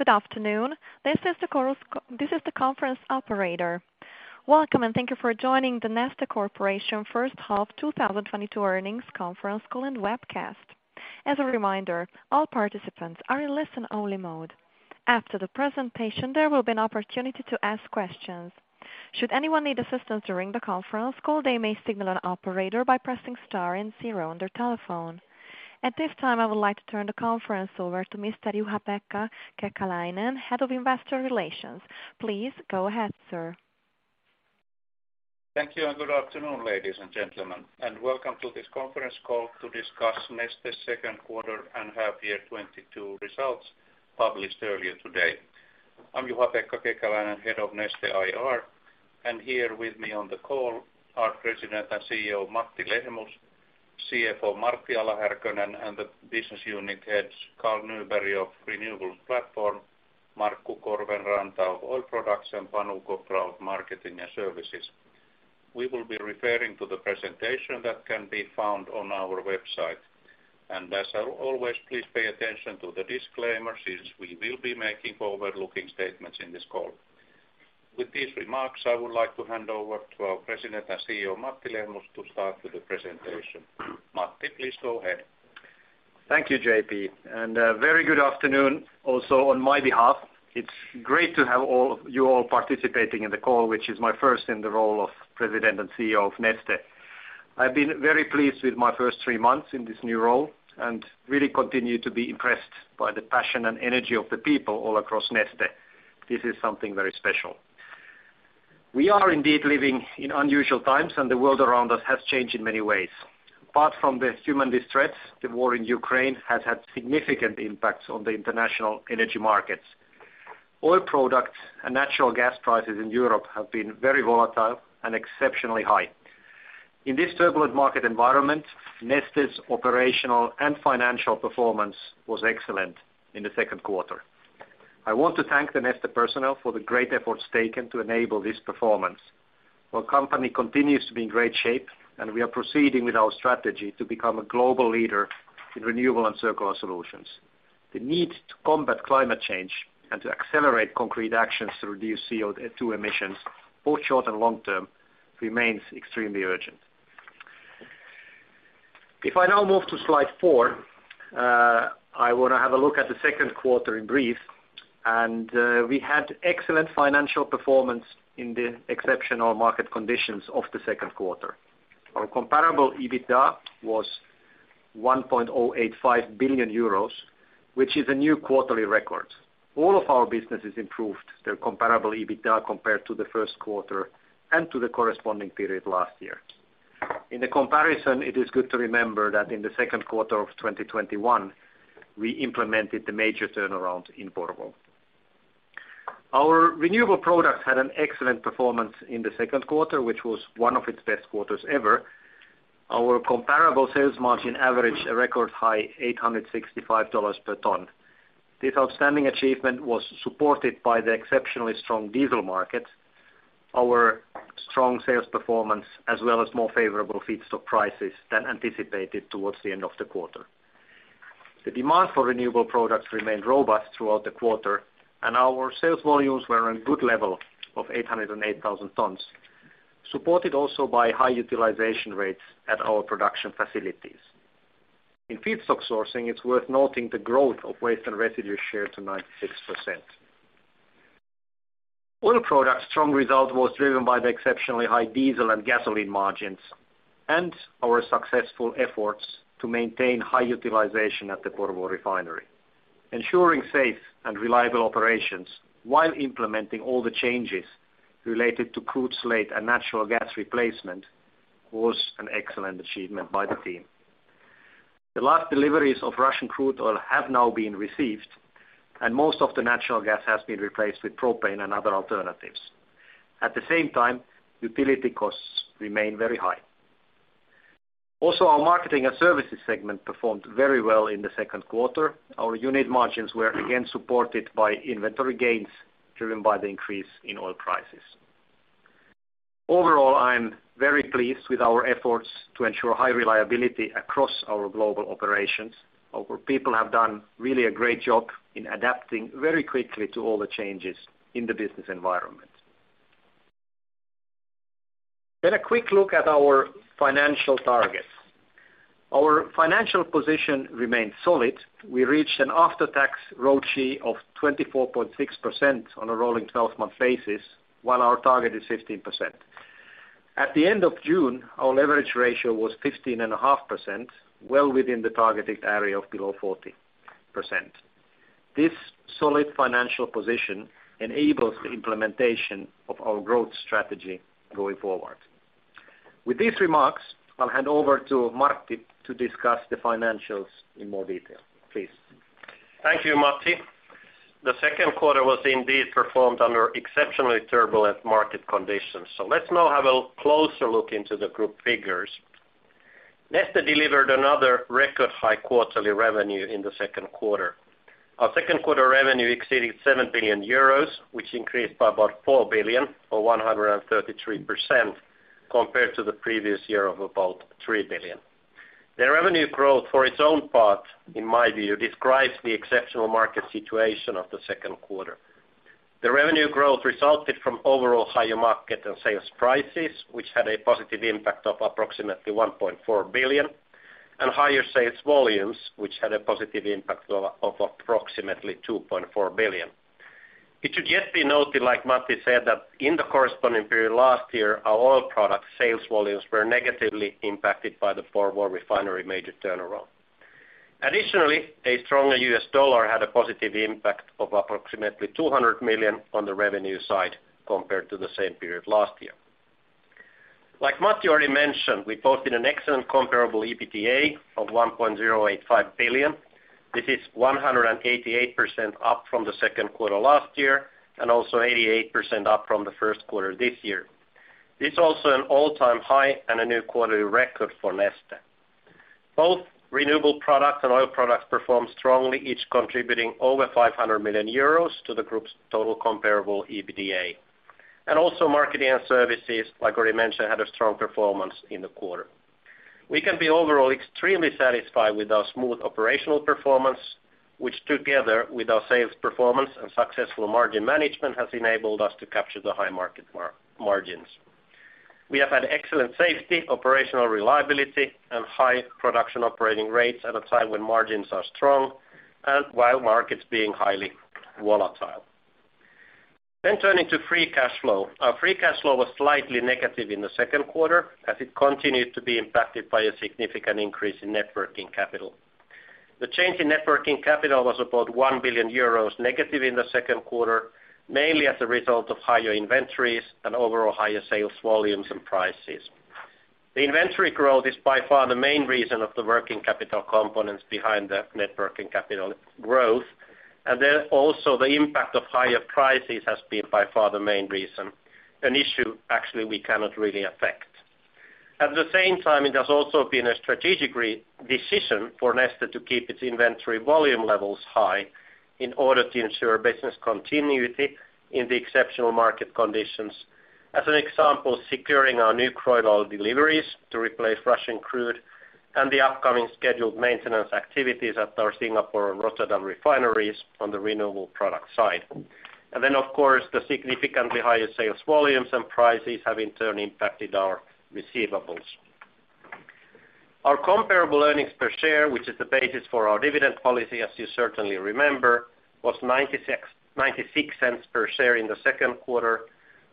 Good afternoon. This is the conference operator. Welcome, and thank you for joining the Neste Corporation first half 2022 earnings conference call and webcast. As a reminder, all participants are in listen-only mode. After the presentation, there will be an opportunity to ask questions. Should anyone need assistance during the conference call, they may signal an operator by pressing star and zero on their telephone. At this time, I would like to turn the conference over to Mr. Juha-Pekka Kekäläinen, Head of Investor Relations. Please go ahead, sir. Thank you, and good afternoon, ladies and gentlemen. Welcome to this conference call to discuss Neste's second quarter and half year 2022 results published earlier today. I'm Juha-Pekka Kekäläinen, head of Neste IR, and here with me on the call are President and CEO Matti Lehmus, CFO Martti Ala-Härkönen, and the business unit heads Carl Nyberg of Renewables Platform, Markku Korvenranta of Oil Products, and Panu Kopra of Marketing & Services. We will be referring to the presentation that can be found on our website. As always, please pay attention to the disclaimers since we will be making forward-looking statements in this call. With these remarks, I would like to hand over to our President and CEO, Matti Lehmus, to start with the presentation. Matti, please go ahead. Thank you, JP. Very good afternoon also on my behalf. It's great to have all of you all participating in the call, which is my first in the role of President and CEO of Neste. I've been very pleased with my first three months in this new role and really continue to be impressed by the passion and energy of the people all across Neste. This is something very special. We are indeed living in unusual times, and the world around us has changed in many ways. Apart from the human distress, the war in Ukraine has had significant impacts on the international energy markets. Oil products and natural gas prices in Europe have been very volatile and exceptionally high. In this turbulent market environment, Neste's operational and financial performance was excellent in the second quarter. I want to thank the Neste personnel for the great efforts taken to enable this performance. Our company continues to be in great shape, and we are proceeding with our strategy to become a global leader in renewable and circular solutions. The need to combat climate change and to accelerate concrete actions to reduce CO2 emissions, both short and long term, remains extremely urgent. If I now move to slide 4, I want to have a look at the second quarter in brief. We had excellent financial performance in the exceptional market conditions of the second quarter. Our comparable EBITDA was 1.085 billion euros, which is a new quarterly record. All of our businesses improved their comparable EBITDA compared to the first quarter and to the corresponding period last year. In the comparison, it is good to remember that in the second quarter of 2021, we implemented the major turnaround in Porvoo. Our Renewable Products had an excellent performance in the second quarter, which was one of its best quarters ever. Our comparable sales margin averaged a record high $865 per ton. This outstanding achievement was supported by the exceptionally strong diesel market, our strong sales performance, as well as more favorable feedstock prices than anticipated towards the end of the quarter. The demand for Renewable Products remained robust throughout the quarter, and our sales volumes were on good level of 808,000 tons, supported also by high utilization rates at our production facilities. In feedstock sourcing, it's worth noting the growth of waste and residue share to 96%. Oil Products' strong result was driven by the exceptionally high diesel and gasoline margins and our successful efforts to maintain high utilization at the Porvoo refinery. Ensuring safe and reliable operations while implementing all the changes related to crude slate and natural gas replacement was an excellent achievement by the team. The last deliveries of Russian crude oil have now been received, and most of the natural gas has been replaced with propane and other alternatives. At the same time, utility costs remain very high. Also, our Marketing & Services segment performed very well in the second quarter. Our unit margins were again supported by inventory gains driven by the increase in oil prices. Overall, I am very pleased with our efforts to ensure high reliability across our global operations. Our people have done really a great job in adapting very quickly to all the changes in the business environment. A quick look at our financial targets. Our financial position remains solid. We reached an after-tax ROCE of 24.6% on a rolling 12-month basis, while our target is 15%. At the end of June, our leverage ratio was 15.5%, well within the targeted area of below 40%. This solid financial position enables the implementation of our growth strategy going forward. With these remarks, I'll hand over to Martti to discuss the financials in more detail. Please. Thank you, Matti. The second quarter was indeed performed under exceptionally turbulent market conditions. Let's now have a closer look into the group figures. Neste delivered another record high quarterly revenue in the second quarter. Our second quarter revenue exceeded 7 billion euros, which increased by about 4 billion or 133% compared to the previous year of about 3 billion. The revenue growth for its own part, in my view, describes the exceptional market situation of the second quarter. The revenue growth resulted from overall higher market and sales prices, which had a positive impact of approximately 1.4 billion, and higher sales volumes, which had a positive impact of approximately 2.4 billion. It should yet be noted, like Matti said, that in the corresponding period last year, our Oil Products sales volumes were negatively impacted by the Porvoo refinery major turnaround. Additionally, a stronger US dollar had a positive impact of approximately 200 million on the revenue side compared to the same period last year. Like Matti already mentioned, we posted an excellent comparable EBITDA of 1.085 billion. This is 188% up from the second quarter last year, and also 88% up from the first quarter this year. This is also an all-time high and a new quarterly record for Neste. Both Renewable Products and Oil Products performed strongly, each contributing over 500 million euros to the group's total comparable EBITDA. Marketing & Services, like already mentioned, had a strong performance in the quarter. We can be overall extremely satisfied with our smooth operational performance, which together with our sales performance and successful margin management, has enabled us to capture the high market margins. We have had excellent safety, operational reliability, and high production operating rates at a time when margins are strong and while markets being highly volatile. Turning to free cash flow. Our free cash flow was slightly negative in the second quarter as it continued to be impacted by a significant increase in net working capital. The change in net working capital was about 1 billion euros negative in the second quarter, mainly as a result of higher inventories and overall higher sales volumes and prices. The inventory growth is by far the main reason of the working capital components behind the net working capital growth. The impact of higher prices has been by far the main reason, an issue actually we cannot really affect. At the same time, it has also been a strategic re-decision for Neste to keep its inventory volume levels high in order to ensure business continuity in the exceptional market conditions. As an example, securing our new crude oil deliveries to replace Russian crude and the upcoming scheduled maintenance activities at our Singapore and Rotterdam refineries on the renewable product side. Then, of course, the significantly higher sales volumes and prices have in turn impacted our receivables. Our comparable earnings per share, which is the basis for our dividend policy, as you certainly remember, was 0.96 per share in the second quarter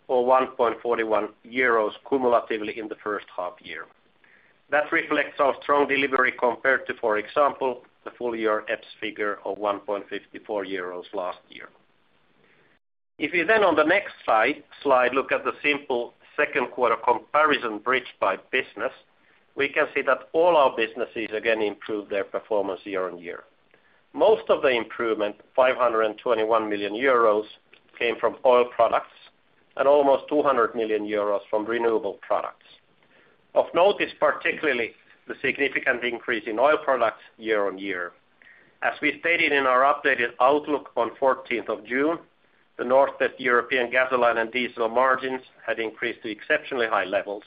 or 1.41 euros cumulatively in the first half year. That reflects our strong delivery compared to, for example, the full year EPS figure of 1.54 euros last year. If you then on the next slide look at the simple second quarter comparison bridged by business, we can see that all our businesses again improved their performance year-on-year. Most of the improvement, 521 million euros, came from Oil Products and almost 200 million euros from Renewable Products. Of note is particularly the significant increase in Oil Products year-on-year. As we stated in our updated outlook on June 14, the northwest European gasoline and diesel margins had increased to exceptionally high levels.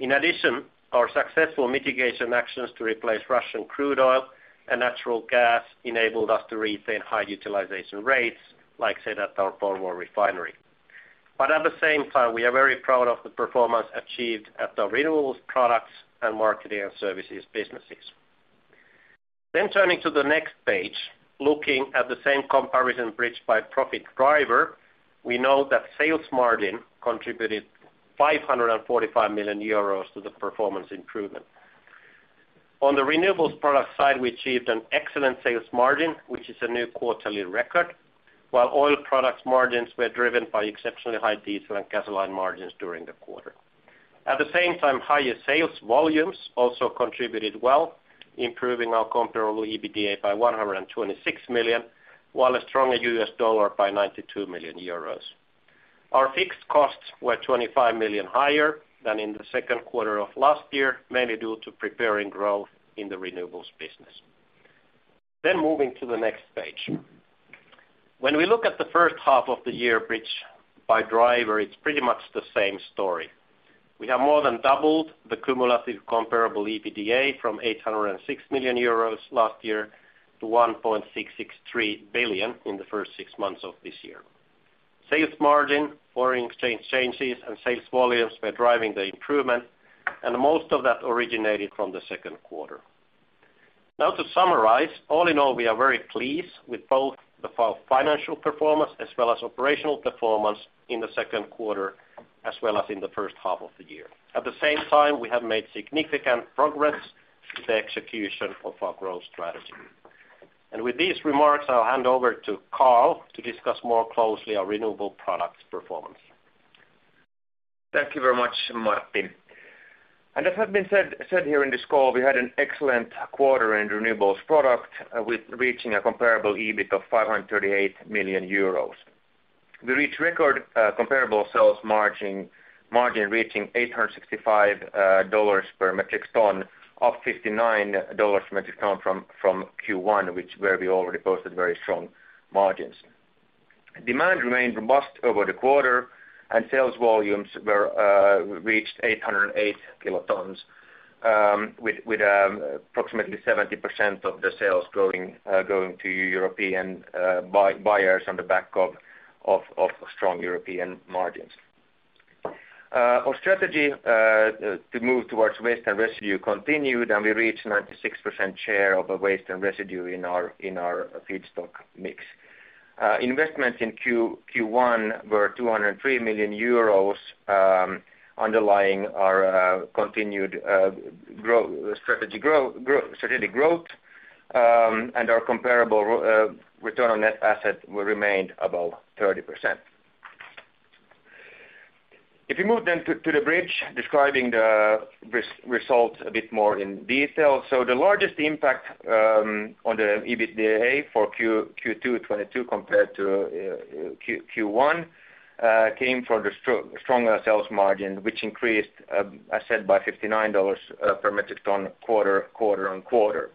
In addition, our successful mitigation actions to replace Russian crude oil and natural gas enabled us to retain high utilization rates, like, say, at our Porvoo refinery. At the same time, we are very proud of the performance achieved at the Renewable Products and Marketing & Services businesses. Turning to the next page, looking at the same comparison bridged by profit driver, we know that sales margin contributed 545 million euros to the performance improvement. On the renewables product side, we achieved an excellent sales margin, which is a new quarterly record, while oil products margins were driven by exceptionally high diesel and gasoline margins during the quarter. At the same time, higher sales volumes also contributed well, improving our comparable EBITDA by 126 million, while a stronger US dollar by 92 million euros. Our fixed costs were 25 million higher than in the second quarter of last year, mainly due to preparing growth in the renewables business. Moving to the next page. When we look at the first half of the year broken down by driver, it's pretty much the same story. We have more than doubled the cumulative comparable EBITDA from 806 million euros last year to 1.663 billion in the first six months of this year. Sales margin, foreign exchange changes, and sales volumes were driving the improvement, and most of that originated from the second quarter. Now to summarize, all in all, we are very pleased with both the financial performance as well as operational performance in the second quarter, as well as in the first half of the year. At the same time, we have made significant progress with the execution of our growth strategy. With these remarks, I'll hand over to Carl Nyberg to discuss more closely our Renewable Products performance. Thank you very much, Martti. As has been said here in this call, we had an excellent quarter in Renewable Products with reaching a comparable EBIT of 538 million euros. We reached record comparable sales margin, reaching $865 per metric ton, up $59 per metric ton from Q1, where we already posted very strong margins. Demand remained robust over the quarter, and sales volumes were reached 808 kilotons with approximately 70% of the sales going to European buyers on the back of strong European margins. Our strategy to move towards waste and residue continued, and we reached 96% share of the waste and residue in our feedstock mix. Investments in Q1 were 203 million euros, underlying our continued strategic growth, and our comparable return on net asset remained above 30%. If you move then to the bridge describing the results a bit more in detail. The largest impact on the EBITDA for Q2 2022 compared to Q1 came from the stronger sales margin, which increased, as I said by $59 per metric ton quarter-on-quarter.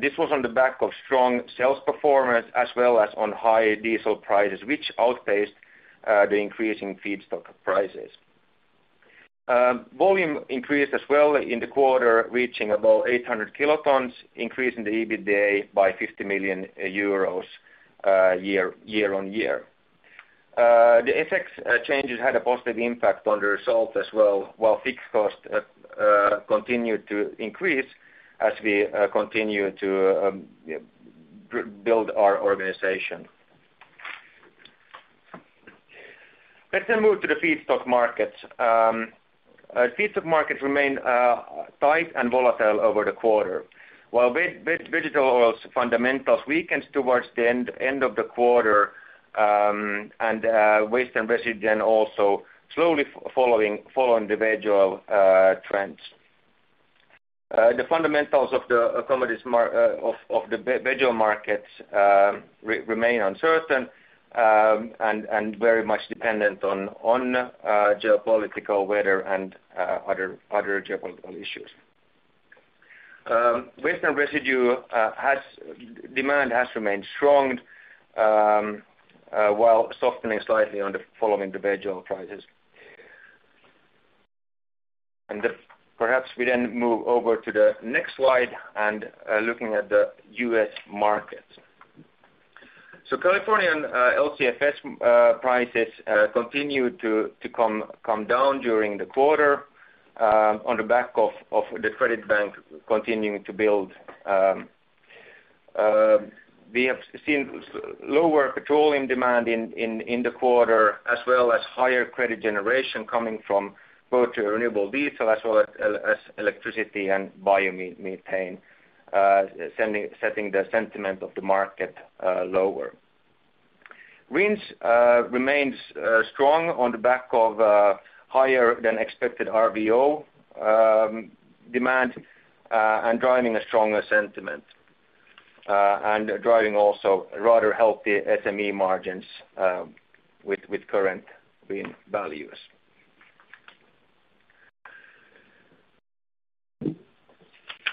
This was on the back of strong sales performance as well as on high diesel prices, which outpaced the increasing feedstock prices. Volume increased as well in the quarter, reaching about 800 kilotons, increasing the EBITDA by EUR 50 million year-on-year. The FX changes had a positive impact on the results as well, while fixed costs continued to increase as we continue to build our organization. Let's move to the feedstock markets. Feedstock markets remain tight and volatile over the quarter, while vegetable oils fundamentals weakened towards the end of the quarter, and waste and residue then also slowly following the vegoil trends. The fundamentals of the vegoil markets remain uncertain, and very much dependent on geopolitical weather and other geopolitical issues. Waste and residue demand has remained strong, while softening slightly following the vegoil prices. Perhaps we move over to the next slide and looking at the U.S. market. California LCFS prices continued to come down during the quarter on the back of the credit bank continuing to build. We have seen lower petroleum demand in the quarter as well as higher credit generation coming from both renewable diesel as well as electricity and biomethane setting the sentiment of the market lower. RINs remains strong on the back of higher than expected RVO demand and driving a stronger sentiment and driving also rather healthy SME margins with current RIN values.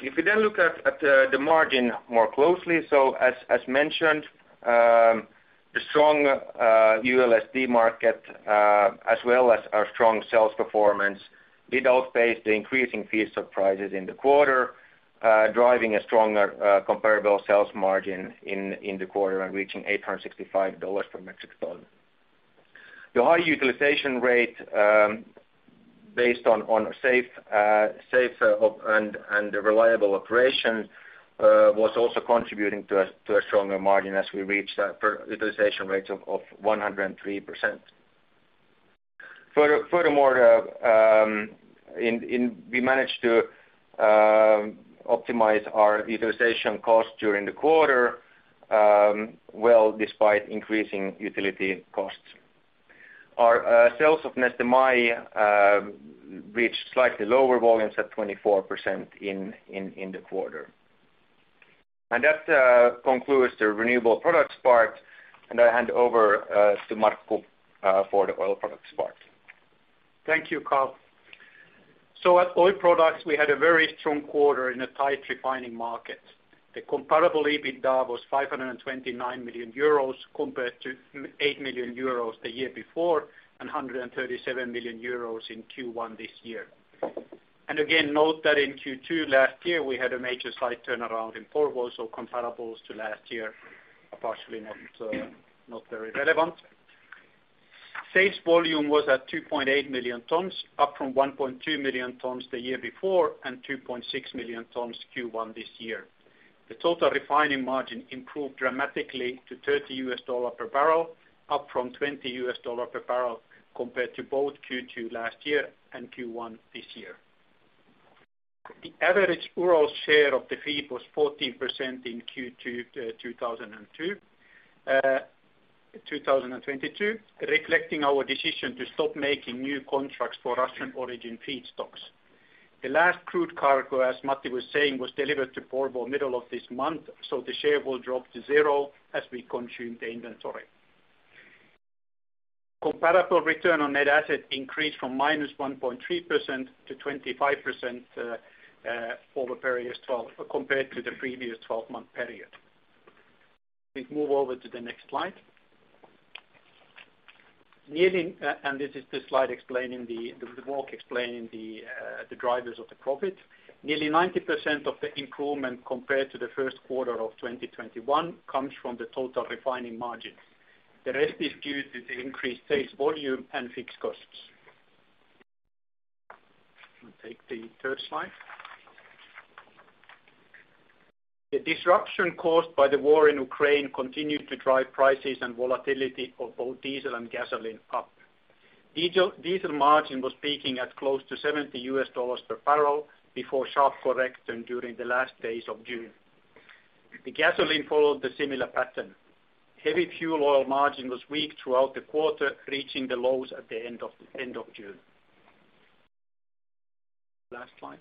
If we then look at the margin more closely, so as mentioned, the strong ULSD market as well as our strong sales performance did outpace the increasing feedstock prices in the quarter, driving a stronger comparable sales margin in the quarter and reaching $865 per metric ton. The high utilization rate based on safe op and reliable operation was also contributing to a stronger margin as we reached a utilization rate of 103%. Furthermore, we managed to optimize our utilization costs during the quarter, well, despite increasing utility costs. Our sales of Neste MY reached slightly lower volumes at 24% in the quarter. That concludes the renewable products part, and I hand over to Markku for the oil products part. Thank you, Carl. At Oil Products, we had a very strong quarter in a tight refining market. The comparable EBITDA was 529 million euros compared to minus eight million euros the year before, and 137 million euros in Q1 this year. Again, note that in Q2 last year, we had a major site turnaround in Porvoo, so comparables to last year are partially not very relevant. Sales volume was at 2.8 million tons, up from 1.2 million tons the year before and 2.6 million tons Q1 this year. The total refining margin improved dramatically to $30 per barrel, up from $20 per barrel compared to both Q2 last year and Q1 this year. The average Urals share of the feed was 14% in Q2 2022, reflecting our decision to stop making new contracts for Russian origin feedstocks. The last crude cargo, as Matti was saying, was delivered to Porvoo middle of this month, so the share will drop to zero as we consume the inventory. Comparable return on net asset increased from -1.3% to 25%, compared to the previous twelve-month period. Please move over to the next slide. This is the slide explaining the walk explaining the drivers of the profit. Nearly 90% of the improvement compared to the first quarter of 2021 comes from the total refining margins. The rest is due to the increased sales volume and fixed costs. We take the third slide. The disruption caused by the war in Ukraine continued to drive prices and volatility of both diesel and gasoline up. Diesel margin was peaking at close to $70 per barrel before sharp correction during the last days of June. The gasoline followed the similar pattern. Heavy fuel oil margin was weak throughout the quarter, reaching the lows at the end of June. Last slide.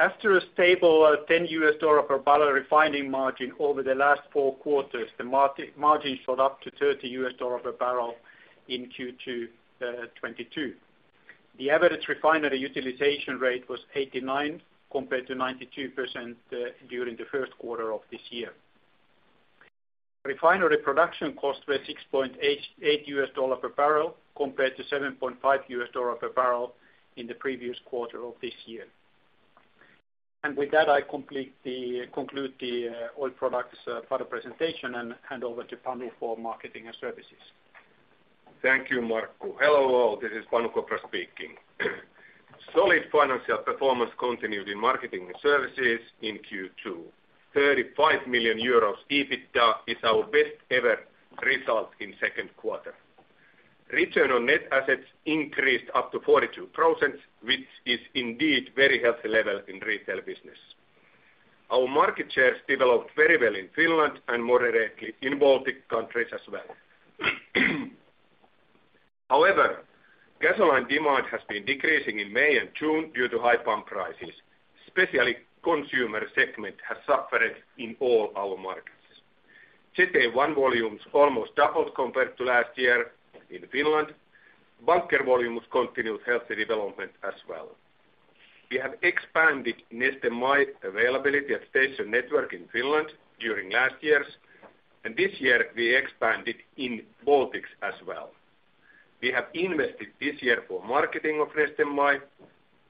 After a stable $10 per barrel refining margin over the last four quarters, the market margin shot up to $30 per barrel in Q2 2022. The average refinery utilization rate was 89% compared to 92% during the first quarter of this year. Refinery production costs were $6.88 per barrel compared to $7.5 per barrel in the previous quarter of this year. With that, I conclude the Oil Products presentation and hand over to Panu for Marketing & Services. Thank you, Markku. Hello all, this is Panu Kopra speaking. Solid financial performance continued in Marketing & Services in Q2. 35 million euros EBITDA is our best ever result in second quarter. Return on net assets increased up to 42%, which is indeed very healthy level in retail business. Our market shares developed very well in Finland and moderately in Baltic countries as well. However, gasoline demand has been decreasing in May and June due to high pump prices, especially consumer segment has suffered in all our markets. GTA One volumes almost doubled compared to last year in Finland. Bunker volumes continued healthy development as well. We have expanded Neste MY availability at station network in Finland during last years, and this year we expanded in Baltics as well. We have invested this year for marketing of Neste MY,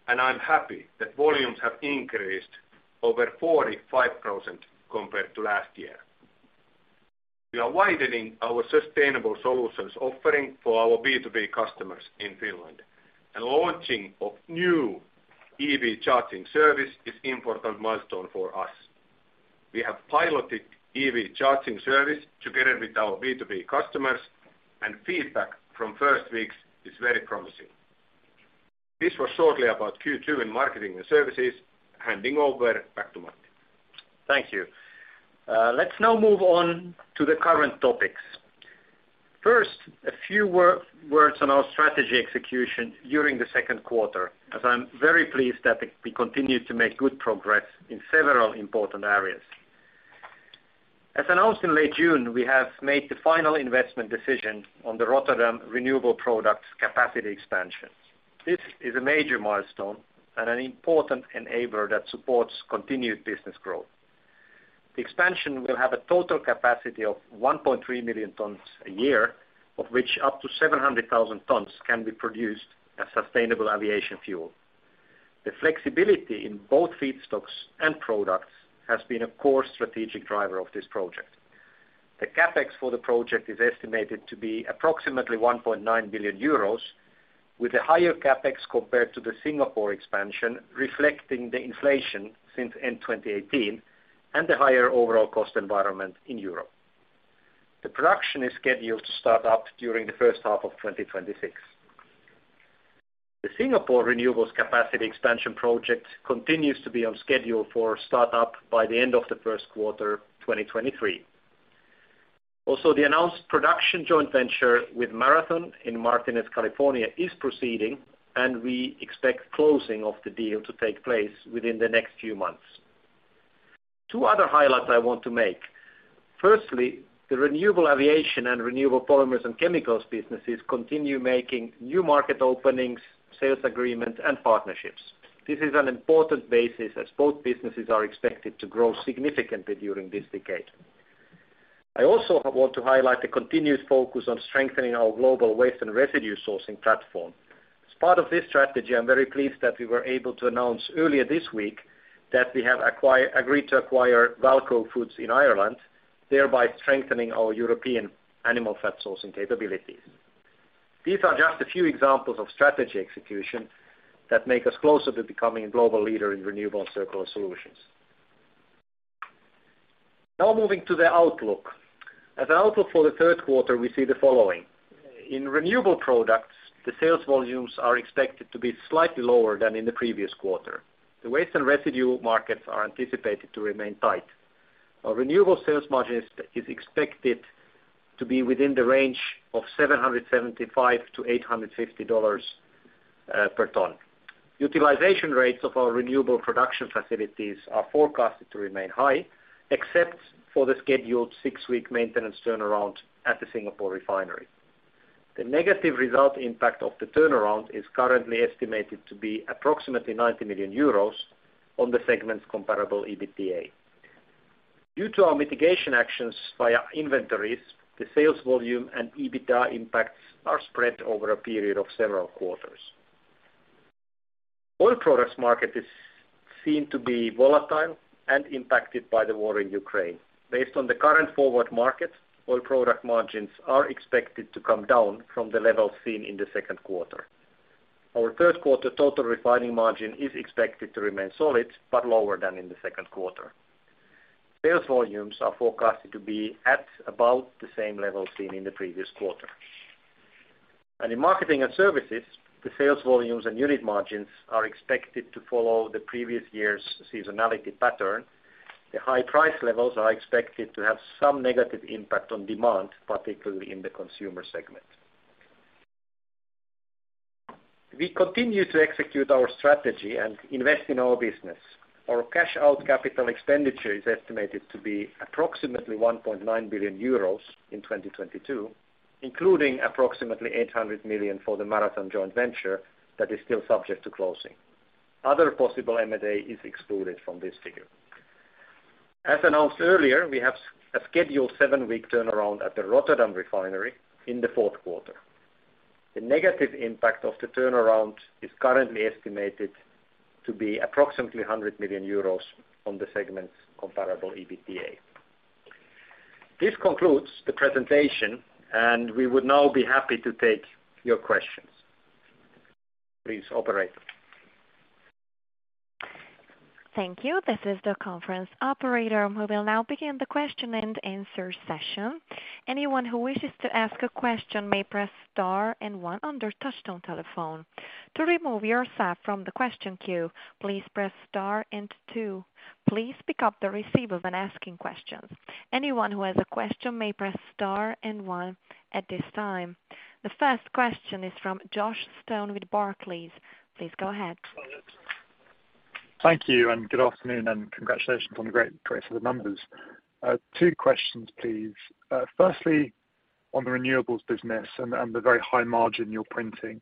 and I'm happy that volumes have increased over 45% compared to last year. We are widening our sustainable solutions offering for our B2B customers in Finland. The launching of new EV charging service is important milestone for us. We have piloted EV charging service together with our B2B customers, and feedback from first weeks is very promising. This was shortly about Q2 in Marketing & Services, handing over back to Matti. Thank you. Let's now move on to the current topics. First, a few words on our strategy execution during the second quarter, as I'm very pleased that we continue to make good progress in several important areas. As announced in late June, we have made the final investment decision on the Rotterdam Renewable Products capacity expansion. This is a major milestone and an important enabler that supports continued business growth. The expansion will have a total capacity of 1.3 million tons a year, of which up to 700,000 tons can be produced as Sustainable Aviation Fuel. The flexibility in both feedstocks and products has been a core strategic driver of this project. The CapEx for the project is estimated to be approximately 1.9 billion euros, with a higher CapEx compared to the Singapore expansion, reflecting the inflation since end 2018 and the higher overall cost environment in Europe. The production is scheduled to start up during the first half of 2026. The Singapore renewables capacity expansion project continues to be on schedule for start up by the end of the first quarter 2023. Also, the announced production joint venture with Marathon in Martinez, California, is proceeding, and we expect closing of the deal to take place within the next few months. Two other highlights I want to make. Firstly, the renewable aviation and Renewable Polymers and Chemicals businesses continue making new market openings, sales agreements, and partnerships. This is an important basis as both businesses are expected to grow significantly during this decade. I also want to highlight the continued focus on strengthening our global waste and residue sourcing platform. As part of this strategy, I'm very pleased that we were able to announce earlier this week that we have agreed to acquire Walco Foods in Ireland, thereby strengthening our European animal fat sourcing capabilities. These are just a few examples of strategy execution that make us closer to becoming a global leader in renewable and circular solutions. Now moving to the outlook. Our outlook for the third quarter, we see the following. In renewable products, the sales volumes are expected to be slightly lower than in the previous quarter. The waste and residue markets are anticipated to remain tight. Our renewable sales margin is expected to be within the range of $775-$850 per ton. Utilization rates of our renewable production facilities are forecasted to remain high, except for the scheduled 6-week maintenance turnaround at the Singapore refinery. The negative result impact of the turnaround is currently estimated to be approximately 90 million euros on the segment's comparable EBITDA. Due to our mitigation actions via inventories, the sales volume and EBITDA impacts are spread over a period of several quarters. Oil Products market is seen to be volatile and impacted by the war in Ukraine. Based on the current forward market, oil product margins are expected to come down from the levels seen in the second quarter. Our third quarter total refining margin is expected to remain solid, but lower than in the second quarter. Sales volumes are forecasted to be at about the same level seen in the previous quarter. In marketing and services, the sales volumes and unit margins are expected to follow the previous year's seasonality pattern. The high price levels are expected to have some negative impact on demand, particularly in the consumer segment. We continue to execute our strategy and invest in our business. Our cash out capital expenditure is estimated to be approximately 1.9 billion euros in 2022, including approximately 800 million for the Marathon joint venture that is still subject to closing. Other possible M&A is excluded from this figure. As announced earlier, we have a scheduled seven-week turnaround at the Rotterdam refinery in the fourth quarter. The negative impact of the turnaround is currently estimated to be approximately 100 million euros on the segment's comparable EBITDA. This concludes the presentation, and we would now be happy to take your questions. Please, operator. Thank you. This is the conference operator. We will now begin the question-and-answer session. Anyone who wishes to ask a question may press star and one on their touchtone telephone. To remove yourself from the question queue, please press star and two. Please pick up the receiver when asking questions. Anyone who has a question may press star and one at this time. The first question is from Joshua Stone with Barclays. Please go ahead. Thank you, and good afternoon, and congratulations on the great set of numbers. Two questions, please. Firstly, on the renewables business and the very high margin you're printing.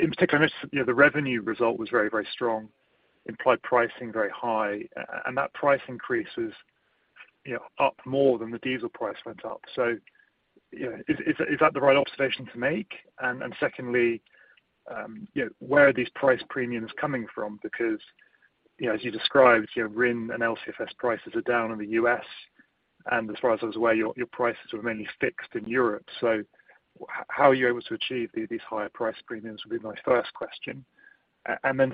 In particular, I missed, you know, the revenue result was very strong, implied pricing very high. And that price increase is, you know, up more than the diesel price went up. So, you know, is that the right observation to make? And secondly, you know, where are these price premiums coming from? Because, you know, as you described, you know, RIN and LCFS prices are down in the U.S., and as far as I was aware, your prices were mainly fixed in Europe. So how are you able to achieve these higher price premiums would be my first question.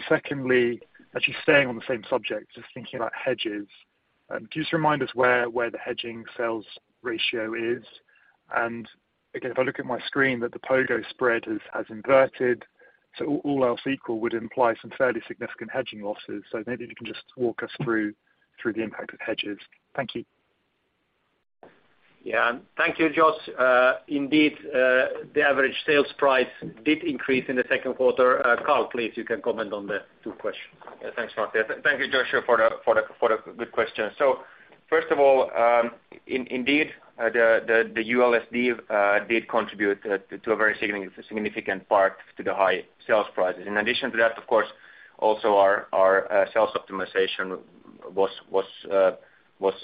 secondly, actually staying on the same subject, just thinking about hedges, could you just remind us where the hedging sales ratio is? Again, if I look at my screen that the POGO spread has inverted, so all else equal would imply some fairly significant hedging losses. Maybe you can just walk us through the impact of hedges. Thank you. Yeah. Thank you, Josh. Indeed, the average sales price did increase in the second quarter. Carl, please, you can comment on the two questions. Yeah, thanks, Matti. Thank you, Josh, for the good question. First of all, indeed, the ULSD did contribute to a very significant part to the high sales prices. In addition to that, of course, also our sales optimization was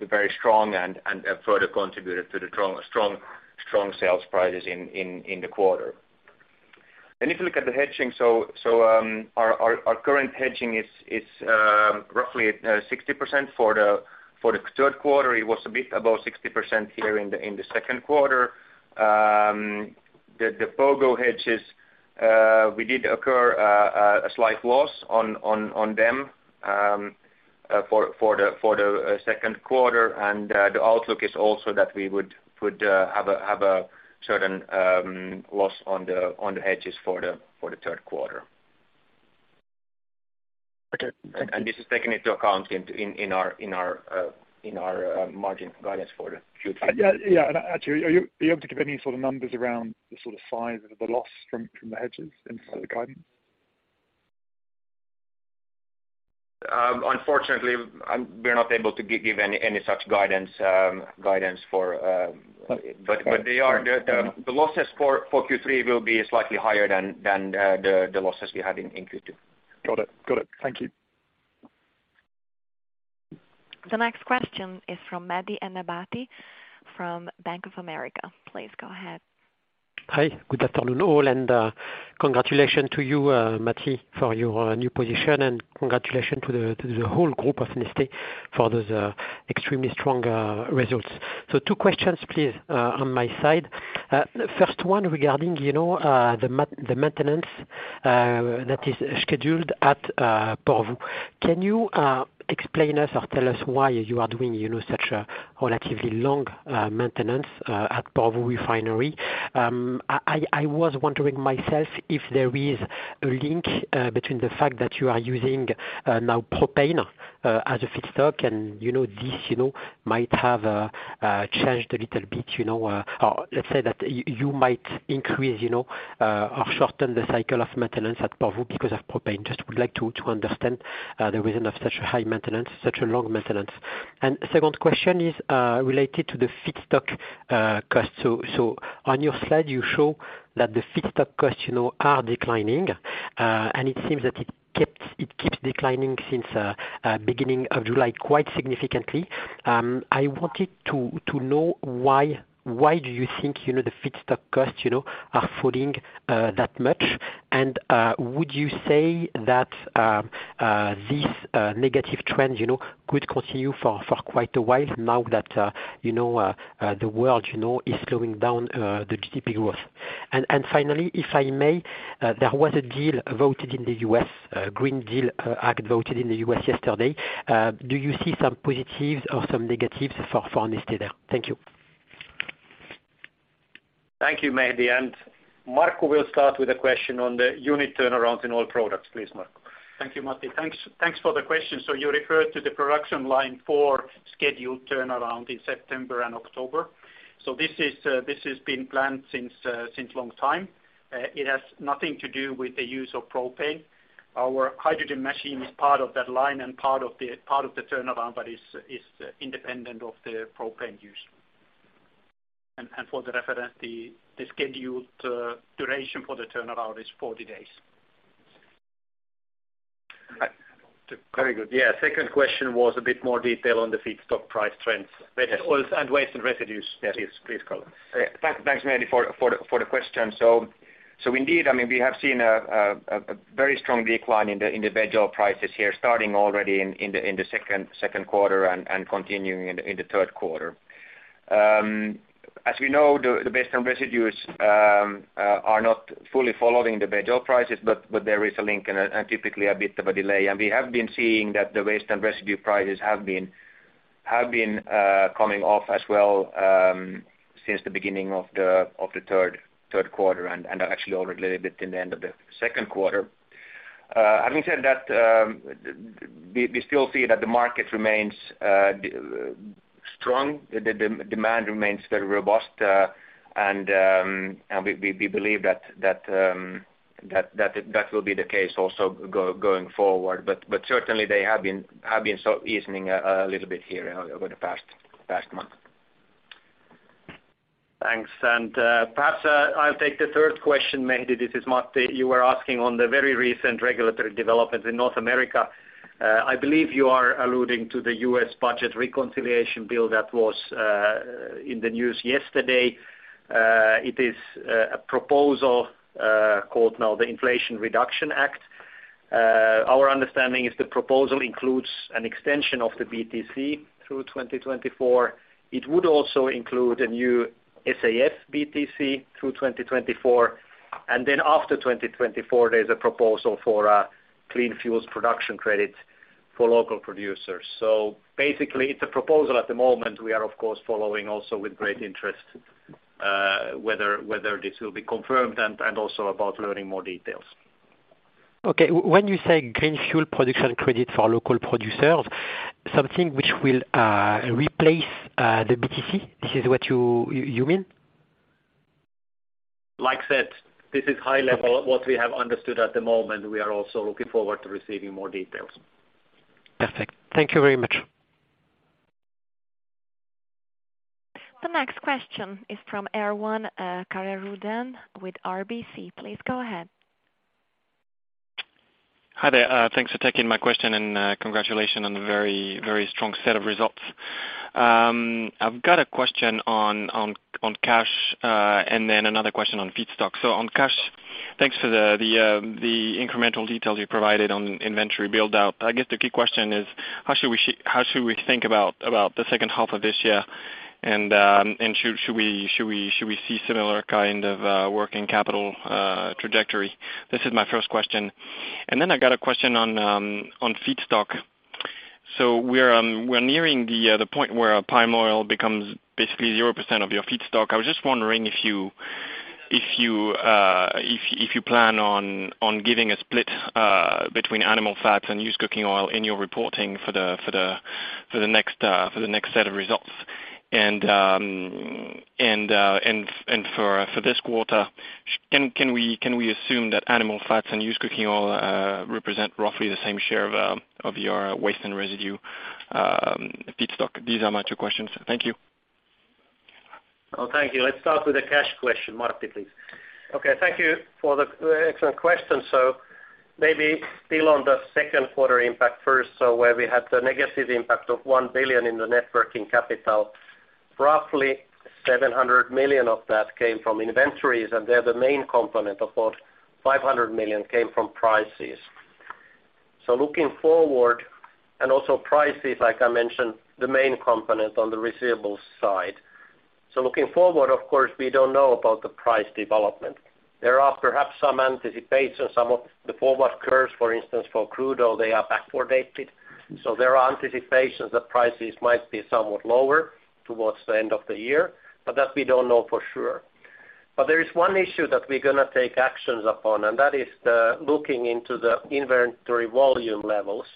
very strong and further contributed to the strong sales prices in the quarter. If you look at the hedging, our current hedging is roughly at 60% for the third quarter. It was a bit above 60% here in the second quarter. The POGO hedges, we did incur a slight loss on them for the second quarter. The outlook is also that we would have a certain loss on the hedges for the third quarter. Okay. This is taking into account in our margin guidance for the Q3. Yeah, yeah. Actually, are you, are you able to give any sort of numbers around the sort of size of the loss from the hedges in sort of the guidance? Unfortunately, we're not able to give any such guidance, but the losses for Q3 will be slightly higher than the losses we had in Q2. Got it. Thank you. The next question is from Mehdi Ennebati from Bank of America. Please go ahead. Hi. Good afternoon, all, and congratulations to you, Matti, for your new position, and congratulations to the whole group of Neste for those extremely strong results. Two questions, please, on my side. First one regarding, you know, the maintenance that is scheduled at Porvoo. Can you explain us or tell us why you are doing, you know, such a relatively long maintenance at Porvoo Refinery? I was wondering myself if there is A link between the fact that you are using now propane as a feedstock, and, you know, this, you know, might have changed a little bit, you know. Or let's say that you might increase, you know, or shorten the cycle of maintenance at Porvoo because of propane. Just would like to understand the reason of such high maintenance, such a long maintenance. Second question is related to the feedstock cost. On your slide, you show that the feedstock costs, you know, are declining. It seems that it keeps declining since beginning of July, quite significantly. I wanted to know why do you think, you know, the feedstock costs, you know, are falling that much? Would you say that this negative trend, you know, could continue for quite a while now that you know the world you know is slowing down the GDP growth? Finally, if I may, there was a bill voted in the U.S., Inflation Reduction Act, voted in the U.S. yesterday. Do you see some positives or some negatives for Neste there? Thank you. Thank you, Mehdi. Markku will start with a question on the unit turnarounds in Oil Products. Please, Markku. Thank you, Matti. Thanks for the question. You refer to the production line 4 scheduled turnaround in September and October. This has been planned for a long time. It has nothing to do with the use of propane. Our hydrogen machine is part of that line and part of the turnaround, but it's independent of the propane use. For the record, the scheduled duration for the turnaround is 40 days. Very good. Yeah. Second question was a bit more detail on the feedstock price trends, waste oils and waste and residues. Please, please, Carl. Thanks, Mehdi, for the question. Indeed, I mean, we have seen a very strong decline in the vego prices here, starting already in the second quarter and continuing in the third quarter. As we know, the waste and residues are not fully following the vego prices, but there is a link and typically a bit of a delay. We have been seeing that the waste and residue prices have been coming off as well, since the beginning of the third quarter and actually already a little bit in the end of the second quarter. Having said that, we still see that the market remains strong. The demand remains very robust. We believe that will be the case also going forward. Certainly they have been sort of evening out a little bit here over the past month. Thanks. Perhaps I'll take the third question, Mehdi. This is Matti. You were asking on the very recent regulatory developments in North America. I believe you are alluding to the US budget reconciliation bill that was in the news yesterday. It is a proposal called now the Inflation Reduction Act. Our understanding is the proposal includes an extension of the BTC through 2024. It would also include a new SAF BTC through 2024. And then after 2024, there's a proposal for a clean fuels production credit for local producers. Basically, it's a proposal at the moment. We are of course following also with great interest whether this will be confirmed and also about learning more details. Okay. When you say green fuel production credit for local producers, something which will replace the BTC? This is what you mean? Like I said, this is high level what we have understood at the moment. We are also looking forward to receiving more details. Perfect. Thank you very much. The next question is from Erwan Le Cäer with RBC. Please go ahead. Hi there. Thanks for taking my question, and congratulations on the very, very strong set of results. I've got a question on cash, and then another question on feedstock. On cash, thanks for the incremental details you provided on inventory build-out. I guess the key question is how should we think about the second half of this year. Should we see similar kind of working capital trajectory? This is my first question. I got a question on feedstock. We're nearing the point where palm oil becomes basically 0% of your feedstock. I was just wondering if you plan on giving a split between animal fats and used cooking oil in your reporting for the next set of results. For this quarter, can we assume that animal fats and used cooking oil represent roughly the same share of your waste and residue feedstock? These are my two questions. Thank you. Well, thank you. Let's start with the cash question. Martti, please. Okay, thank you for the excellent question. Maybe still on the second quarter impact first, where we had the negative impact of 1 billion in the net working capital, roughly 700 million of that came from inventories, and they're the main component. About 500 million came from prices. Looking forward, and also prices, like I mentioned, the main component on the receivables side. Looking forward, of course, we don't know about the price development. There are perhaps some anticipation, some of the forward curves, for instance, for crude oil, they are backwardated. There are anticipations that prices might be somewhat lower towards the end of the year, but that we don't know for sure. There is one issue that we're gonna take actions upon, and that is looking into the inventory volume levels.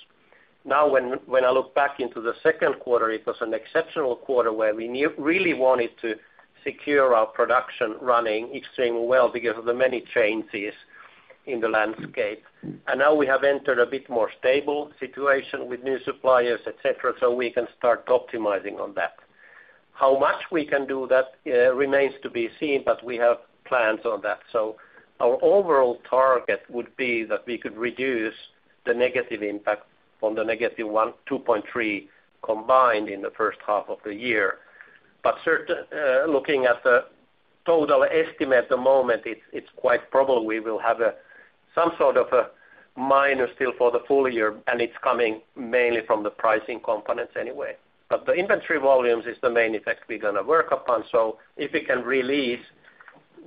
Now, when I look back into the second quarter, it was an exceptional quarter where we really wanted to secure our production running extremely well because of the many changes in the landscape. Now we have entered a bit more stable situation with new suppliers, et cetera, so we can start optimizing on that. How much we can do that remains to be seen, but we have plans on that. Our overall target would be that we could reduce the negative impact from the negative 12.3 combined in the first half of the year. Looking at the total estimate at the moment, it's quite probable we will have some sort of a minus still for the full year, and it's coming mainly from the pricing components anyway. The inventory volumes is the main effect we're gonna work upon. If we can release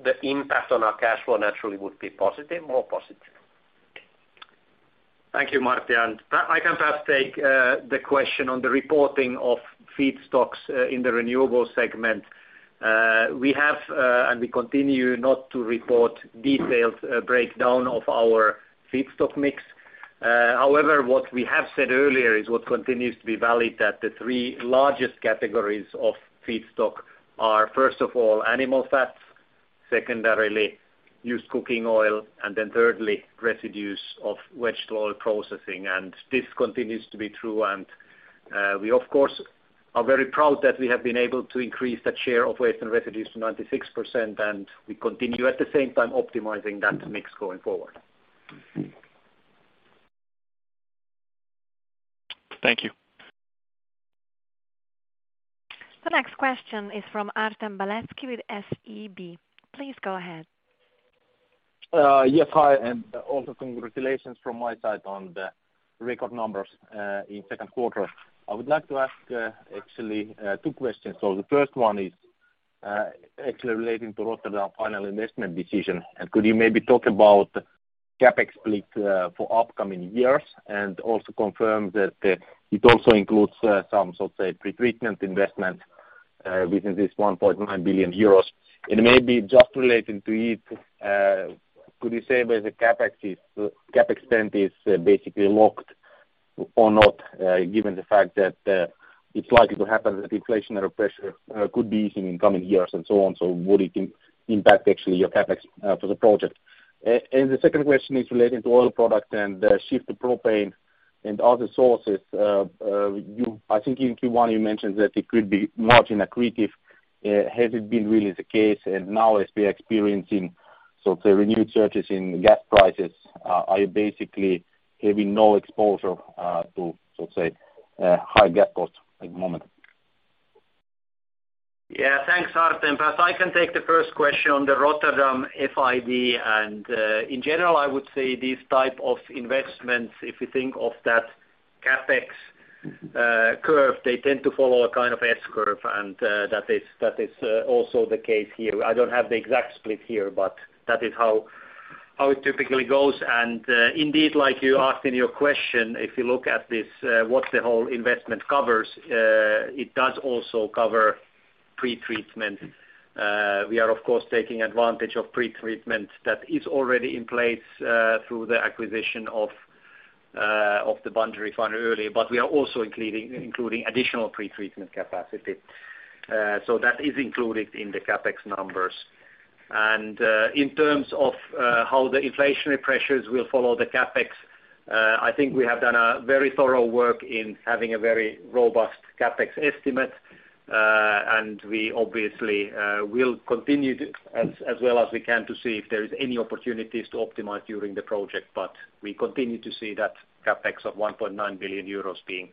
the impact on our cash flow naturally would be positive, more positive. Thank you, Martti Ala-Härkönen. Panu Kopra can perhaps take the question on the reporting of feedstocks in the renewable segment. We have and we continue not to report detailed breakdown of our feedstock mix. However, what we have said earlier is what continues to be valid, that the three largest categories of feedstock are, first of all, animal fats, secondarily, used cooking oil, and then thirdly, residues of vegetable oil processing. This continues to be true, and we of course are very proud that we have been able to increase the share of waste and residues to 96%, and we continue at the same time optimizing that mix going forward. Thank you. The next question is from Artem Beletsky with SEB. Please go ahead. Yes. Hi, congratulations from my side on the record numbers in second quarter. I would like to ask actually two questions. The first one is actually relating to Rotterdam final investment decision. Could you maybe talk about CapEx split for upcoming years and also confirm that it also includes some so-called pretreatment investment within this 1.9 billion euros? Maybe just relating to it, could you say whether the CapEx spend is basically locked or not, given the fact that it's likely to happen that inflationary pressure could be easing in coming years and so on, so would it impact actually your CapEx for the project? The second question is relating to Oil Products and the shift to propane and other sources. I think in Q1 you mentioned that it could be not accretive. Has it been really the case? Now as we are experiencing so-called renewed surges in gas prices, are you basically having no exposure to so-called high gas costs at the moment? Yeah. Thanks, Artem. Perhaps I can take the first question on the Rotterdam FID. In general, I would say these type of investments, if you think of that CapEx curve, they tend to follow a kind of S-curve. That is also the case here. I don't have the exact split here, but that is how it typically goes. Indeed, like you asked in your question, if you look at this, what the whole investment covers, it does also cover pretreatment. We are of course taking advantage of pretreatment that is already in place through the acquisition of the Bunge earlier, but we are also including additional pretreatment capacity. So that is included in the CapEx numbers. In terms of how the inflationary pressures will follow the CapEx, I think we have done a very thorough work in having a very robust CapEx estimate. We obviously will continue to, as well as we can, to see if there is any opportunities to optimize during the project. We continue to see that CapEx of 1.9 billion euros being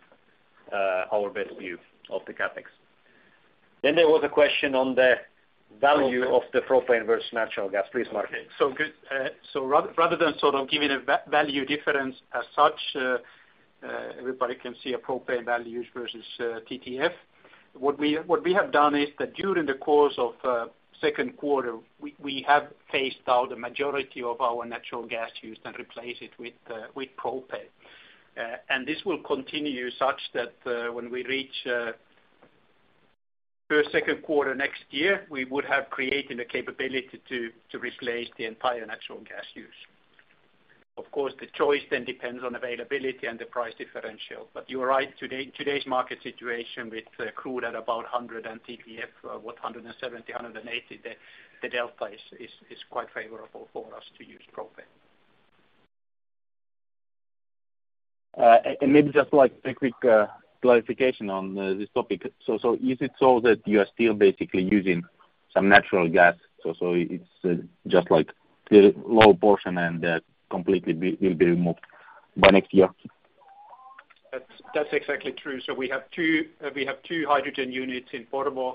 our best view of the CapEx. There was a question on the value of the propane versus natural gas. Please, Markku Korvenranta. Okay. So rather than sort of giving a value difference as such, everybody can see propane values versus TTF. What we have done is that during the course of second quarter, we have phased out the majority of our natural gas use and replace it with propane. This will continue such that when we reach through second quarter next year, we would have created the capability to replace the entire natural gas use. Of course, the choice then depends on availability and the price differential. You are right, today's market situation with crude at about $100 and TTF €170-€180, the delta is quite favorable for us to use propane. Maybe just like a quick clarification on this topic. Is it so that you are still basically using some natural gas, so it's just like the low portion and will be removed by next year? That's exactly true. We have two hydrogen units in Porvoo,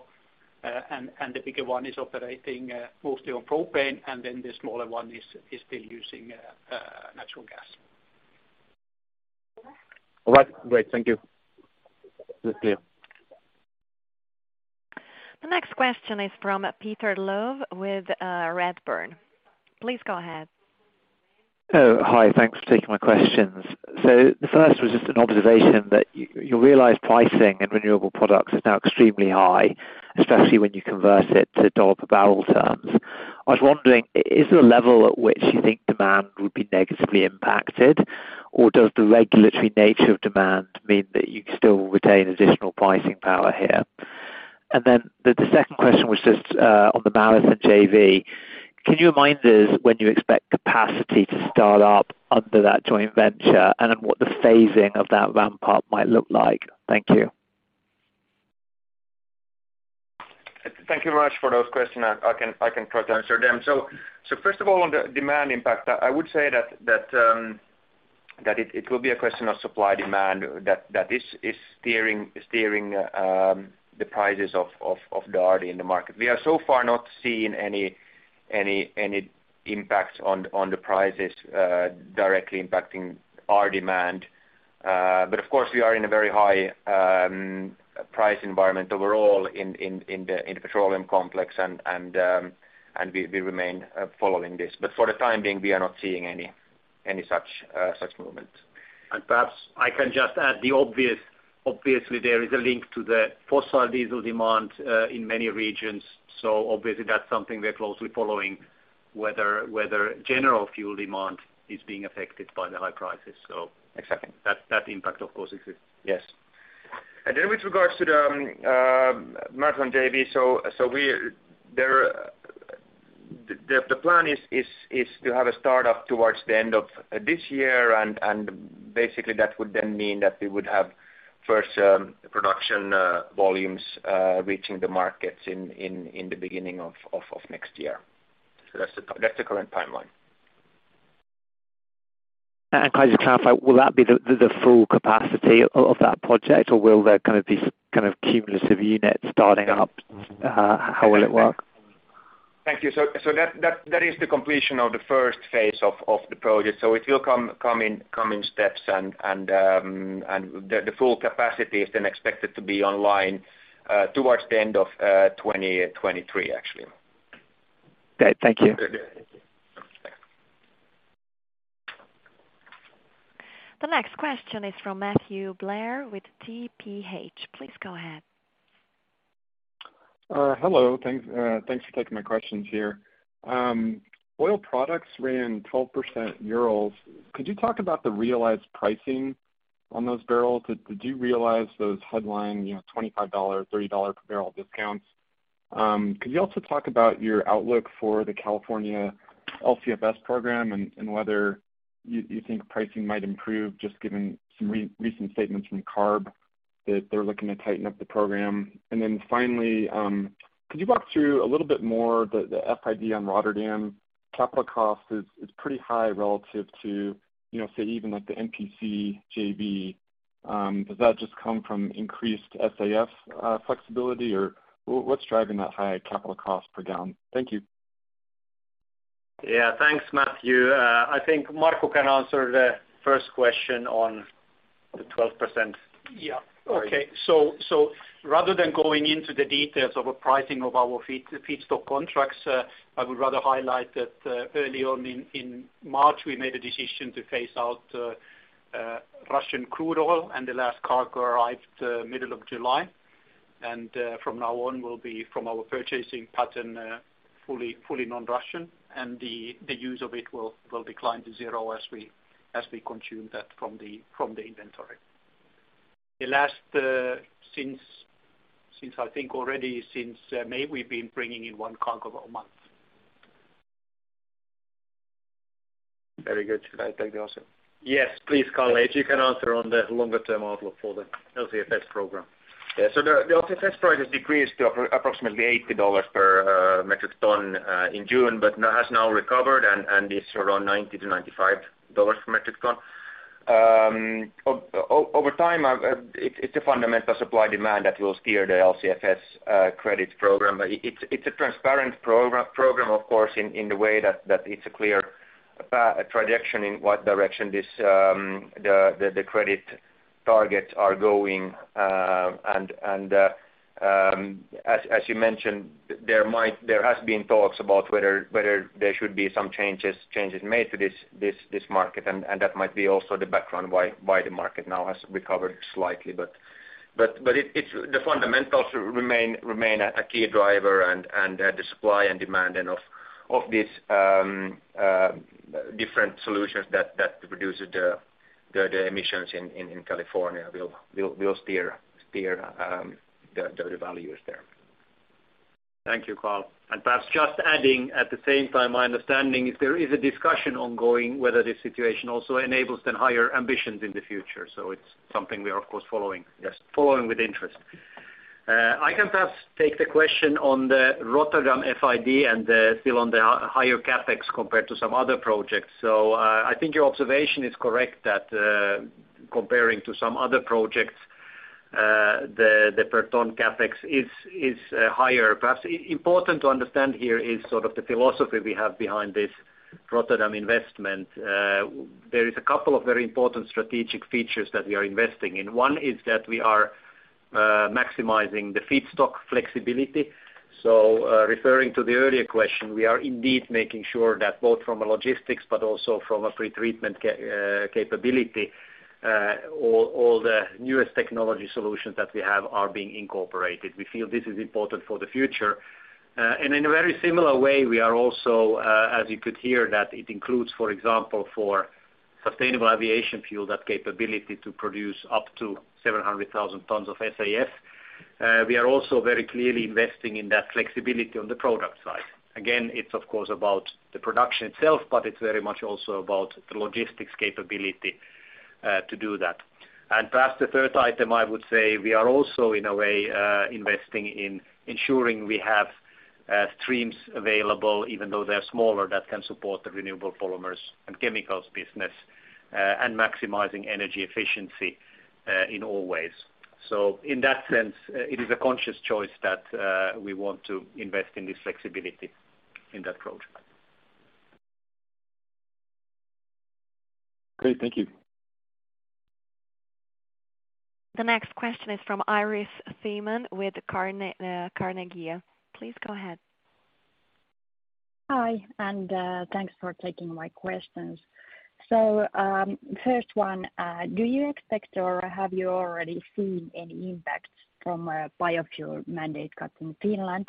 and the bigger one is operating mostly on propane, and then the smaller one is still using natural gas. All right. Great. Thank you. That's clear. The next question is from Peter Low with Redburn. Please go ahead. Hi. Thanks for taking my questions. The first was just an observation that you realize pricing in renewable products is now extremely high, especially when you convert it to dollar per barrel terms. I was wondering, is there a level at which you think demand would be negatively impacted, or does the regulatory nature of demand mean that you still retain additional pricing power here? The second question was just on the MPC JV. Can you remind us when you expect capacity to start up under that joint venture, and then what the phasing of that ramp-up might look like? Thank you. Thank you very much for those questions. I can try to answer them. First of all, on the demand impact, I would say that it will be a question of supply-demand that is steering the prices of crude in the market. We are so far not seeing any impacts on the prices directly impacting our demand. Of course we are in a very high price environment overall in the petroleum complex and we remain following this. For the time being, we are not seeing any such movement. Perhaps I can just add the obvious. Obviously there is a link to the fossil diesel demand in many regions. Obviously that's something we're closely following, whether general fuel demand is being affected by the high prices. Exactly That impact of course exists. Yes. With regards to the MPC JV, the plan is to have a startup towards the end of this year. Basically that would then mean that we would have first production volumes reaching the markets in the beginning of next year. That's the current timeline. Can I just clarify, will that be the full capacity of that project, or will there kind of be some kind of cumulative units starting up? How will it work? Thank you. That is the completion of the first phase of the project. It will come in steps and the full capacity is then expected to be online towards the end of 2023, actually. Okay, thank you. Okay. Yeah. Thanks. The next question is from Matthew Blair with TPH. Please go ahead. Hello. Thanks for taking my questions here. Oil Products ran 12% margins. Could you talk about the realized pricing on those barrels? Did you realize those headline $25-$30 per barrel discounts? Could you also talk about your outlook for the California LCFS program and whether you think pricing might improve just given some recent statements from CARB that they're looking to tighten up the program. Finally, could you walk through a little bit more the FID on Rotterdam? Capital cost is pretty high relative to, say even like the MPC JV. Does that just come from increased SAF flexibility, or what's driving that high capital cost per ton? Thank you. Yeah, thanks Matthew. I think Markku Korvenranta can answer the first question on the 12%. Rather than going into the details of a pricing of our feedstock contracts, I would rather highlight that, early on in March, we made a decision to phase out Russian crude oil, and the last cargo arrived middle of July. From now on will be from our purchasing pattern fully non-Russian. The use of it will decline to zero as we consume that from the inventory. Since I think already since May, we've been bringing in one cargo a month. Very good. Should I take the answer? Yes, please, Carl, if you can answer on the longer term outlook for the LCFS program. Yeah. The LCFS price has decreased to approximately $80 per metric ton in June, but now has recovered and is around $90-$95 per metric ton. Over time, it's a fundamental supply demand that will steer the LCFS credit program. It's a transparent program, of course, in the way that it's a clear projection in what direction this the credit targets are going. As you mentioned, there has been talks about whether there should be some changes made to this market. That might be also the background why the market now has recovered slightly. It's the fundamentals remain a key driver and the supply and demand of this different solutions that reduces the emissions in California will steer the values there. Thank you, Carl Nyberg. Perhaps just adding at the same time, my understanding is there is a discussion ongoing whether this situation also enables then higher ambitions in the future. It's something we are of course following. Just following with interest. I can perhaps take the question on the Rotterdam FID and, still on the higher CapEx compared to some other projects. I think your observation is correct that, comparing to some other projects, the per ton CapEx is higher. Perhaps important to understand here is sort of the philosophy we have behind this Rotterdam investment. There is a couple of very important strategic features that we are investing in. One is that we are maximizing the feedstock flexibility. Referring to the earlier question, we are indeed making sure that both from a logistics but also from a pretreatment capability, all the newest technology solutions that we have are being incorporated. We feel this is important for the future. In a very similar way, we are also, as you could hear, that it includes, for example, for Sustainable Aviation Fuel, that capability to produce up to 700,000 tons of SAF. We are also very clearly investing in that flexibility on the product side. Again, it's of course about the production itself, but it's very much also about the logistics capability to do that. Perhaps the third item, I would say we are also, in a way, investing in ensuring we have streams available, even though they're smaller, that can support the Renewable Polymers and Chemicals business, and maximizing energy efficiency in all ways. In that sense, it is a conscious choice that we want to invest in this flexibility in that project. Great. Thank you. The next question is from Iiris Räty with Carnegie. Please go ahead. Hi, thanks for taking my questions. First one, do you expect or have you already seen any impacts from biofuel mandate cuts in Finland?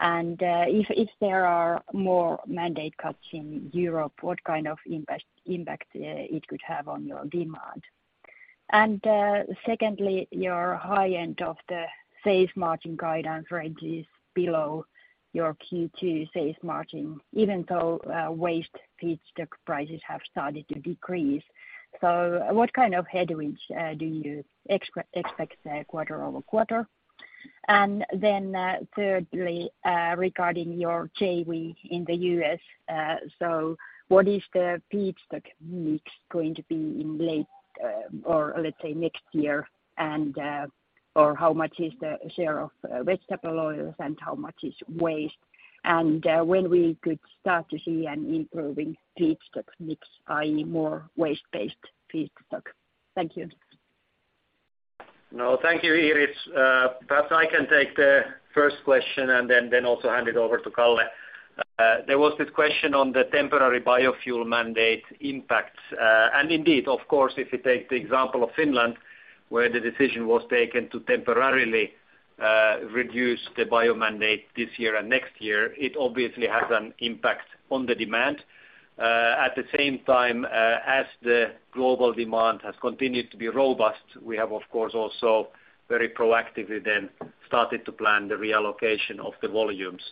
If there are more mandate cuts in Europe, what kind of impact it could have on your demand? Secondly, your high end of the sales margin guidance range is below your Q2 sales margin, even though waste feedstock prices have started to decrease. What kind of headwinds do you expect quarter-over-quarter? Thirdly, regarding your JV in the U.S., what is the feedstock mix going to be in late or let's say next year? Or how much is the share of vegetable oils and how much is waste? when we could start to see an improving feedstock mix, i.e., more waste-based feedstock. Thank you. No, thank you, Iiris. Perhaps I can take the first question and then also hand it over to Carl Nyberg. There was this question on the temporary biofuel mandate impacts. Indeed, of course, if you take the example of Finland, where the decision was taken to temporarily reduce the bio mandate this year and next year, it obviously has an impact on the demand. At the same time, as the global demand has continued to be robust, we have of course also very proactively then started to plan the reallocation of the volumes.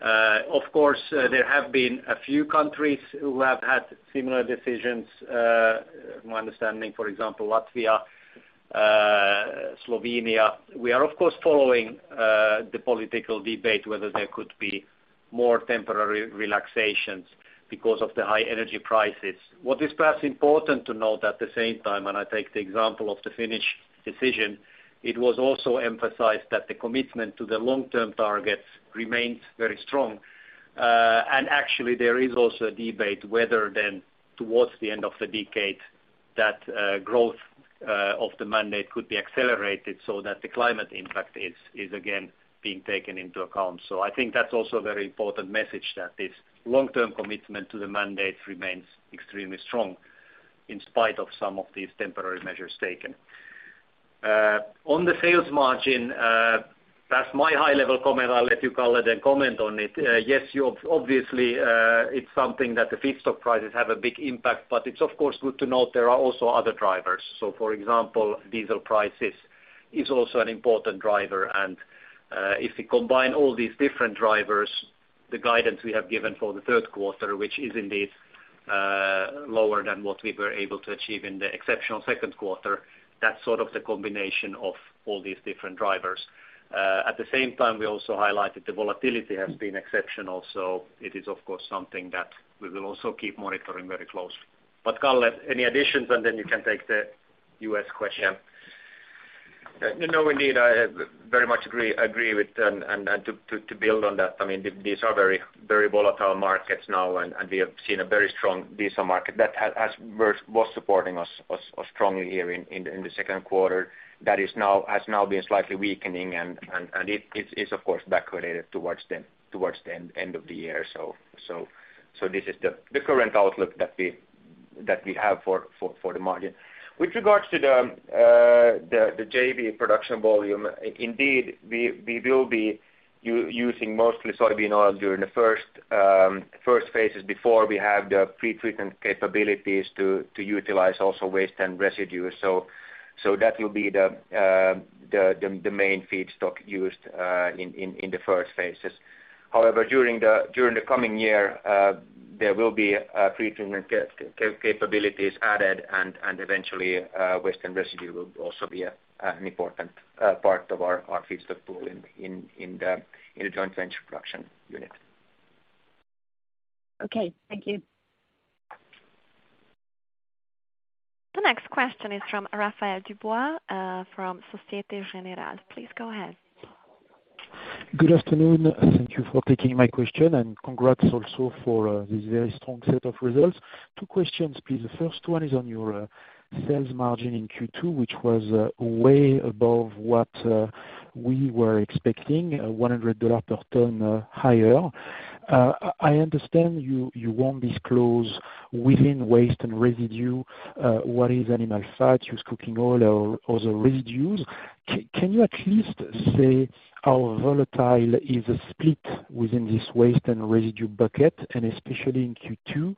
Of course, there have been a few countries who have had similar decisions. My understanding, for example, Latvia, Slovenia. We are of course following the political debate whether there could be more temporary relaxations because of the high energy prices. What is perhaps important to note at the same time, and I take the example of the Finnish decision, it was also emphasized that the commitment to the long-term targets remains very strong. Actually there is also a debate whether then towards the end of the decade that growth of the mandate could be accelerated so that the climate impact is again being taken into account. I think that's also a very important message, that this long-term commitment to the mandate remains extremely strong in spite of some of these temporary measures taken. On the sales margin, that's my high level comment. I'll let you, Carl Nyberg, then comment on it. Yes, you obviously, it's something that the feedstock prices have a big impact, but it's of course good to note there are also other drivers. For example, diesel prices is also an important driver. If we combine all these different drivers, the guidance we have given for the third quarter, which is indeed lower than what we were able to achieve in the exceptional second quarter, that's sort of the combination of all these different drivers. At the same time, we also highlighted the volatility has been exceptional. It is of course something that we will also keep monitoring very close. Carl Nyberg, any additions, and then you can take the U.S. question. Yeah. No, indeed, I very much agree with and to build on that, I mean, these are very volatile markets now, and we have seen a very strong diesel market that was supporting us strongly here in the second quarter that has now been slightly weakening, and it's of course back related towards the end of the year. This is the current outlook that we have for the margin. With regards to the JV production volume, indeed we will be using mostly soybean oil during the first phases before we have the pretreatment capabilities to utilize also waste and residues. That will be the main feedstock used in the first phases. However, during the coming year, there will be pretreatment capabilities added, and eventually, waste and residue will also be an important part of our feedstock pool in the joint venture production unit. Okay. Thank you. The next question is from Raphaël Dubois, from Société Générale. Please go ahead. Good afternoon. Thank you for taking my question and congrats also for this very strong set of results. Two questions, please. The first one is on your sales margin in Q2, which was way above what we were expecting $100 per ton higher. I understand you won't disclose within waste and residue what is animal fat, used cooking oil or other residues. Can you at least say how volatile is the split within this waste and residue bucket, and especially in Q2?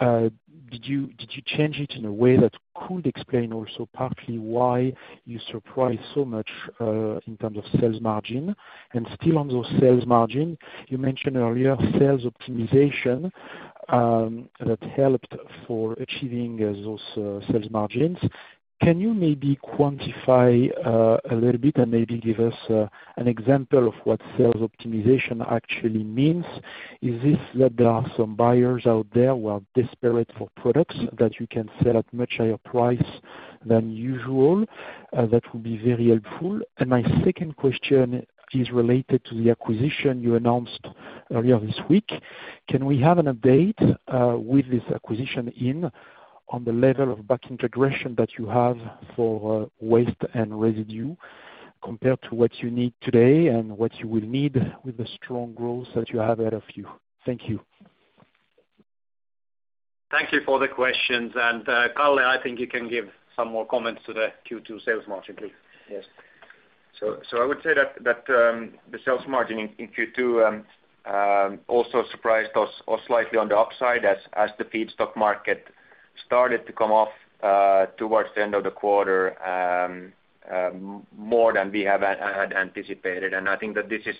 Did you change it in a way that could explain also partly why you surprised so much in terms of sales margin? Still on those sales margin, you mentioned earlier sales optimization that helped for achieving those sales margins. Can you maybe quantify a little bit and maybe give us an example of what sales optimization actually means? Is this that there are some buyers out there who are desperate for products that you can sell at much higher price than usual? That would be very helpful. My second question is related to the acquisition you announced earlier this week. Can we have an update with this acquisition in on the level of back integration that you have for waste and residue compared to what you need today and what you will need with the strong growth that you have ahead of you? Thank you. Thank you for the questions. Carl Nyberg, I think you can give some more comments to the Q2 sales margin, please. Yes. I would say that the sales margin in Q2 also surprised us slightly on the upside as the feedstock market started to come off towards the end of the quarter more than we have anticipated. I think that this is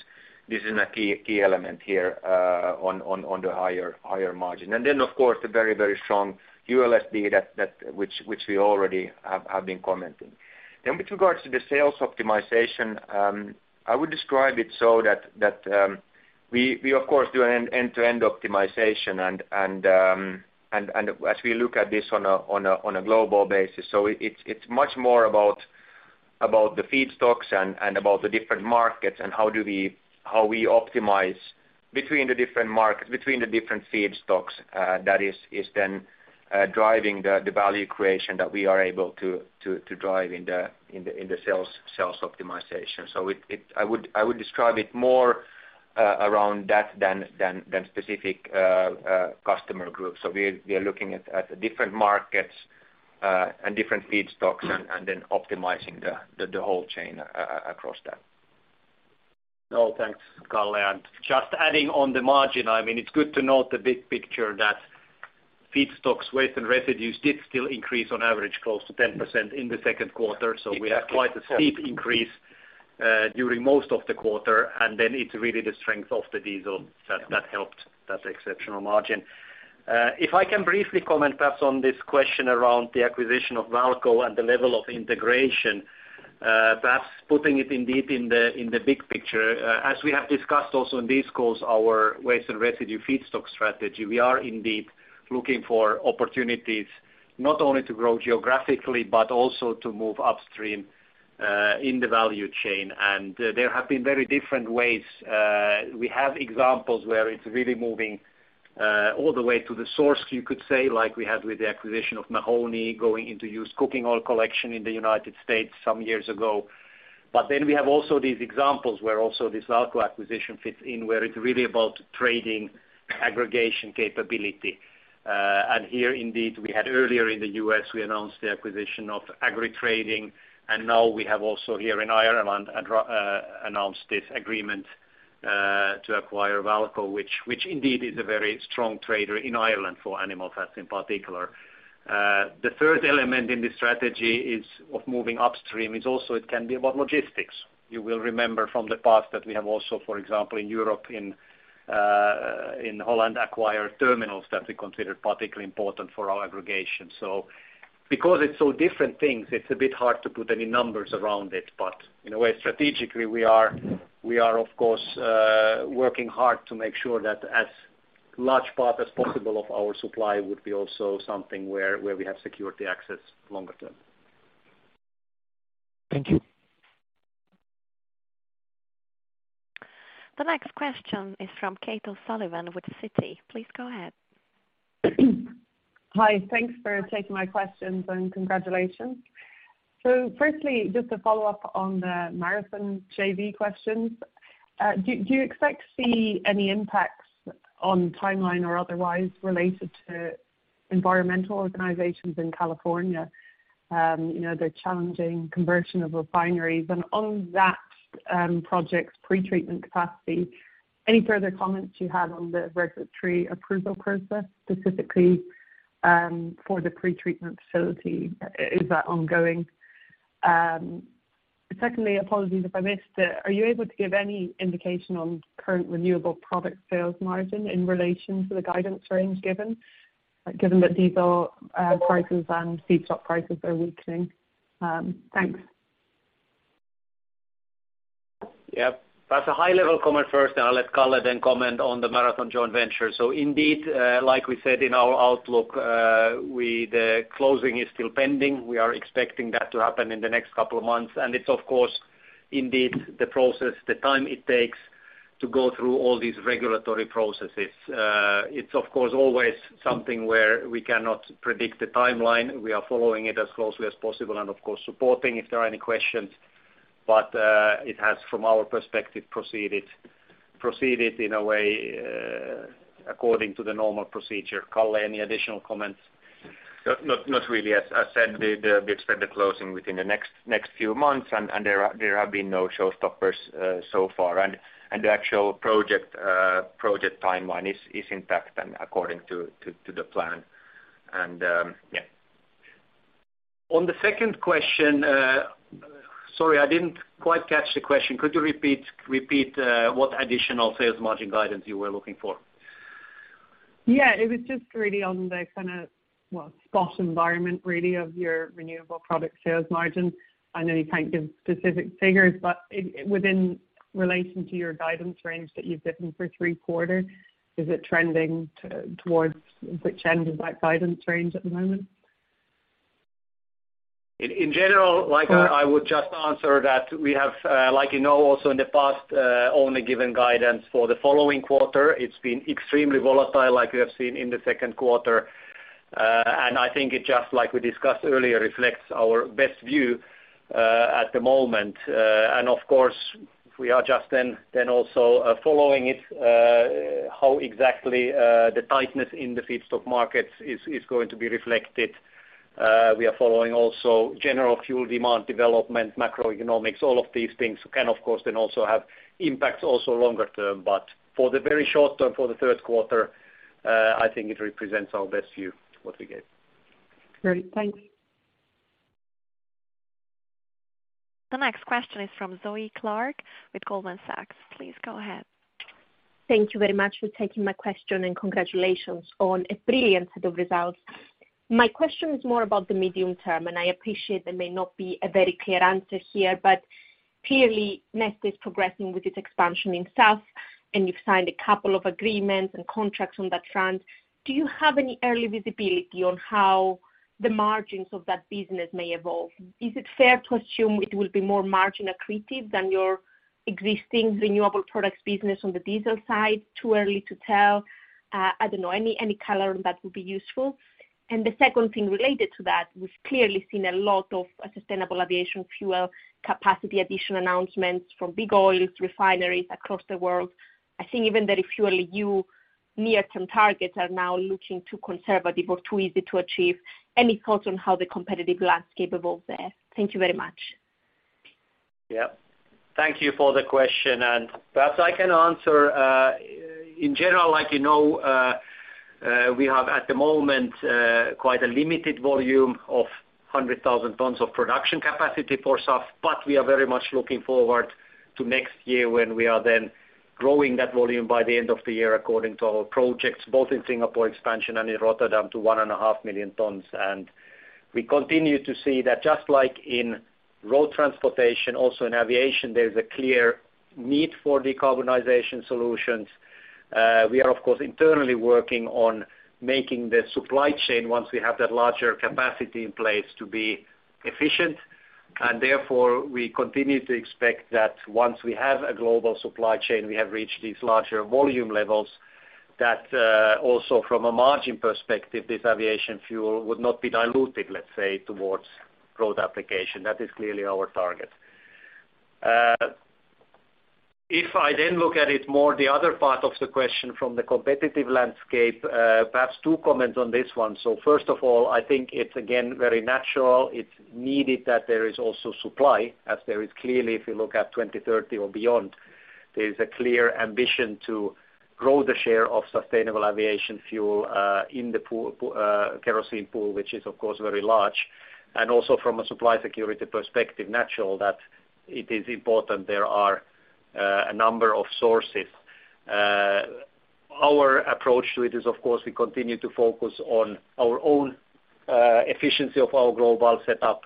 a key element here on the higher margin. Of course, the very strong ULSD which we already have been commenting. With regards to the sales optimization, I would describe it so that we of course do an end-to-end optimization and as we look at this on a global basis. It's much more about the feedstocks and about the different markets and how we optimize between the different markets and between the different feedstocks that is then driving the value creation that we are able to drive in the sales optimization. I would describe it more around that than specific customer groups. We are looking at different markets and different feedstocks and then optimizing the whole chain across that. No, thanks, Carl Nyberg. Just adding on the margin, I mean, it's good to note the big picture that feedstocks waste and residues did still increase on average close to 10% in the second quarter. We had quite a steep increase during most of the quarter, and then it's really the strength of the diesel that helped that exceptional margin. If I can briefly comment perhaps on this question around the acquisition of Walco and the level of integration, perhaps putting it indeed in the big picture, as we have discussed also in these calls, our waste and residue feedstock strategy, we are indeed looking for opportunities not only to grow geographically but also to move upstream in the value chain. There have been very different ways. We have examples where it's really moving all the way to the source, you could say, like we had with the acquisition of Mahoney going into used cooking oil collection in the United States some years ago. We have also these examples where also this Walco acquisition fits in, where it's really about trading aggregation capability. Here, indeed, we had earlier in the U.S., we announced the acquisition of Agri Trading, and now we have also here in Ireland announced this agreement to acquire Walco, which indeed is a very strong trader in Ireland for animal fats in particular. The third element in this strategy of moving upstream is also it can be about logistics. You will remember from the past that we have also, for example, in Europe, in Holland, acquired terminals that we considered particularly important for our aggregation. Because it's so different things, it's a bit hard to put any numbers around it. In a way, strategically, we are of course working hard to make sure that as large part as possible of our supply would be also something where we have secured the access longer term. Thank you. The next question is from Kate O’Sullivan with Citi. Please go ahead. Hi. Thanks for taking my questions and congratulations. Firstly, just to follow up on the Marathon JV questions. Do you expect to see any impacts on timeline or otherwise related to environmental organizations in California, you know, the challenging conversion of refineries? On that project's pretreatment capacity, any further comments you have on the regulatory approval process, specifically, for the pretreatment facility? Is that ongoing? Secondly, apologies if I missed it, are you able to give any indication on current renewable product sales margin in relation to the guidance range given that diesel prices and feedstock prices are weakening? Thanks. Yeah. Perhaps a high-level comment first, and I'll let Carl Nyberg then comment on the Marathon joint venture. Indeed, like we said in our outlook, the closing is still pending. We are expecting that to happen in the next couple of months. It's of course indeed the process, the time it takes to go through all these regulatory processes. It's of course always something where we cannot predict the timeline. We are following it as closely as possible and of course supporting if there are any questions, but it has from our perspective proceeded in a way according to the normal procedure. Carl Nyberg, any additional comments? Not really. As said, we expect the closing within the next few months, and there have been no showstoppers so far. The actual project timeline is intact and according to the plan. Yeah. On the second question, sorry, I didn't quite catch the question. Could you repeat what additional sales margin guidance you were looking for? Yeah. It was just really on the kind of bullish spot environment really of your renewable product sales margin. I know you can't give specific figures, but it in relation to your guidance range that you've given for three quarters, is it trending towards which end of that guidance range at the moment? In general, like I would just answer that we have, like, you know, also in the past, only given guidance for the following quarter. It's been extremely volatile like we have seen in the second quarter. I think it just like we discussed earlier, reflects our best view, at the moment. Of course we are just then also following it, how exactly, the tightness in the feedstock markets is going to be reflected. We are following also general fuel demand development, macroeconomics, all of these things can of course then also have impacts also longer term. For the very short term, for the third quarter, I think it represents our best view, what we gave. Great. Thanks. The next question is from Zoe Clarke with Goldman Sachs. Please go ahead. Thank you very much for taking my question, and congratulations on a brilliant set of results. My question is more about the medium term, and I appreciate there may not be a very clear answer here, but clearly Neste is progressing with its expansion in South, and you've signed a couple of agreements and contracts on that front. Do you have any early visibility on how the margins of that business may evolve? Is it fair to assume it will be more margin accretive than your existing renewable products business on the diesel side? Too early to tell? I don't know. Any color on that would be useful. The second thing related to that, we've clearly seen a lot of Sustainable Aviation Fuel capacity addition announcements from big oil refineries across the world. I think even the ReFuelEU near-term targets are now looking too conservative or too easy to achieve. Any thoughts on how the competitive landscape evolves there? Thank you very much. Yeah. Thank you for the question, and perhaps I can answer. In general, like, you know, we have at the moment quite a limited volume of 100,000 tons of production capacity for SAF, but we are very much looking forward to next year when we are then growing that volume by the end of the year according to our projects, both in Singapore expansion and in Rotterdam to 1.5 million tons. We continue to see that just like in road transportation, also in aviation, there's a clear need for decarbonization solutions. We are of course internally working on making the supply chain once we have that larger capacity in place to be efficient. Therefore we continue to expect that once we have a global supply chain, we have reached these larger volume levels that, also from a margin perspective, this aviation fuel would not be diluted, let's say, towards road application. That is clearly our target. If I then look at it more, the other part of the question from the competitive landscape, perhaps two comments on this one. First of all, I think it's again, very natural. It's needed that there is also supply as there is clearly, if you look at 2030 or beyond, there's a clear ambition to grow the share of Sustainable Aviation Fuel, in the pool, kerosene pool, which is of course very large. Also from a supply security perspective, natural that it is important there are, a number of sources. Our approach to it is, of course, we continue to focus on our own, efficiency of our global setup.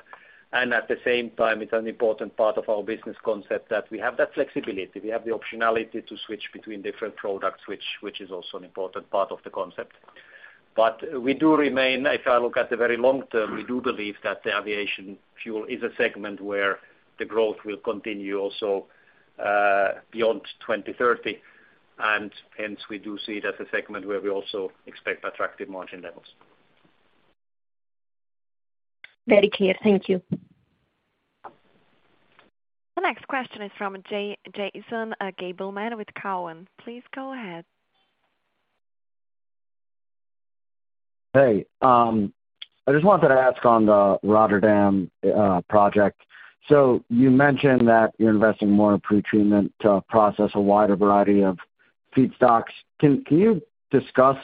At the same time, it's an important part of our business concept that we have that flexibility. We have the optionality to switch between different products, which is also an important part of the concept. If I look at the very long term, we do believe that the aviation fuel is a segment where the growth will continue also, beyond 2030. Hence we do see it as a segment where we also expect attractive margin levels. Very clear. Thank you. The next question is from Jason Gabelman with Cowen. Please go ahead. Hey, I just wanted to ask on the Rotterdam project. You mentioned that you're investing more in pretreatment to process a wider variety of feedstocks. Can you discuss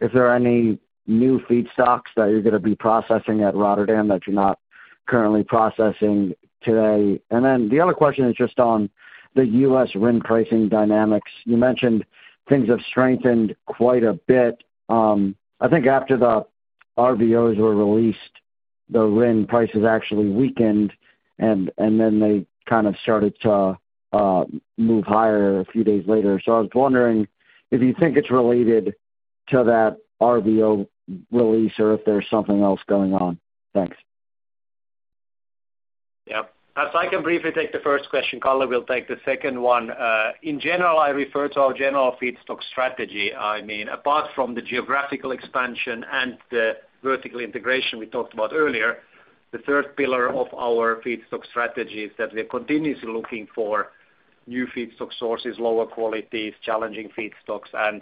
if there are any new feedstocks that you're gonna be processing at Rotterdam that you're not currently processing today? The other question is just on the U.S. RIN pricing dynamics. You mentioned things have strengthened quite a bit. I think after the RVOs were released, the RIN prices actually weakened and then they kind of started to move higher a few days later. I was wondering if you think it's related to that RVO release or if there's something else going on. Thanks. Yeah. Perhaps I can briefly take the first question. Carl Nyberg will take the second one. In general, I refer to our general feedstock strategy. I mean, apart from the geographical expansion and the vertical integration we talked about earlier, the third pillar of our feedstock strategy is that we're continuously looking for new feedstock sources, lower qualities, challenging feedstocks.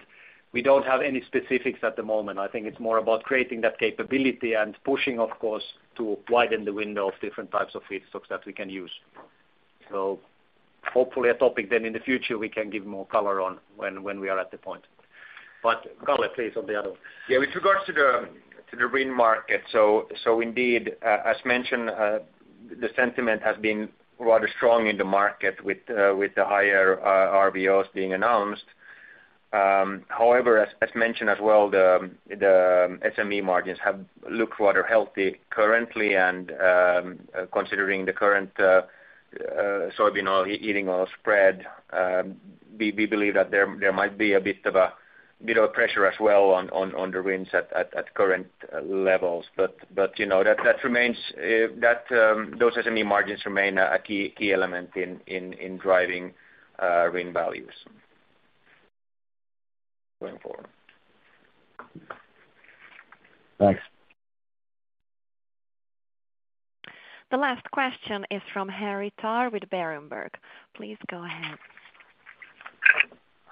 We don't have any specifics at the moment. I think it's more about creating that capability and pushing, of course, to widen the window of different types of feedstocks that we can use. Hopefully a topic then in the future we can give more color on when we are at the point. But Carl Nyberg, please, on the other one. Yeah. With regards to the RIN market, indeed, as mentioned, the sentiment has been rather strong in the market with the higher RVOs being announced. However, as mentioned as well, the SME margins have looked rather healthy currently. Considering the current soybean oil, edible oil spread, we believe that there might be a bit of pressure as well on the RINs at current levels. You know, those SME margins remain a key element in driving RIN values going forward. Thanks. The last question is from Henry Tarr with Berenberg. Please go ahead.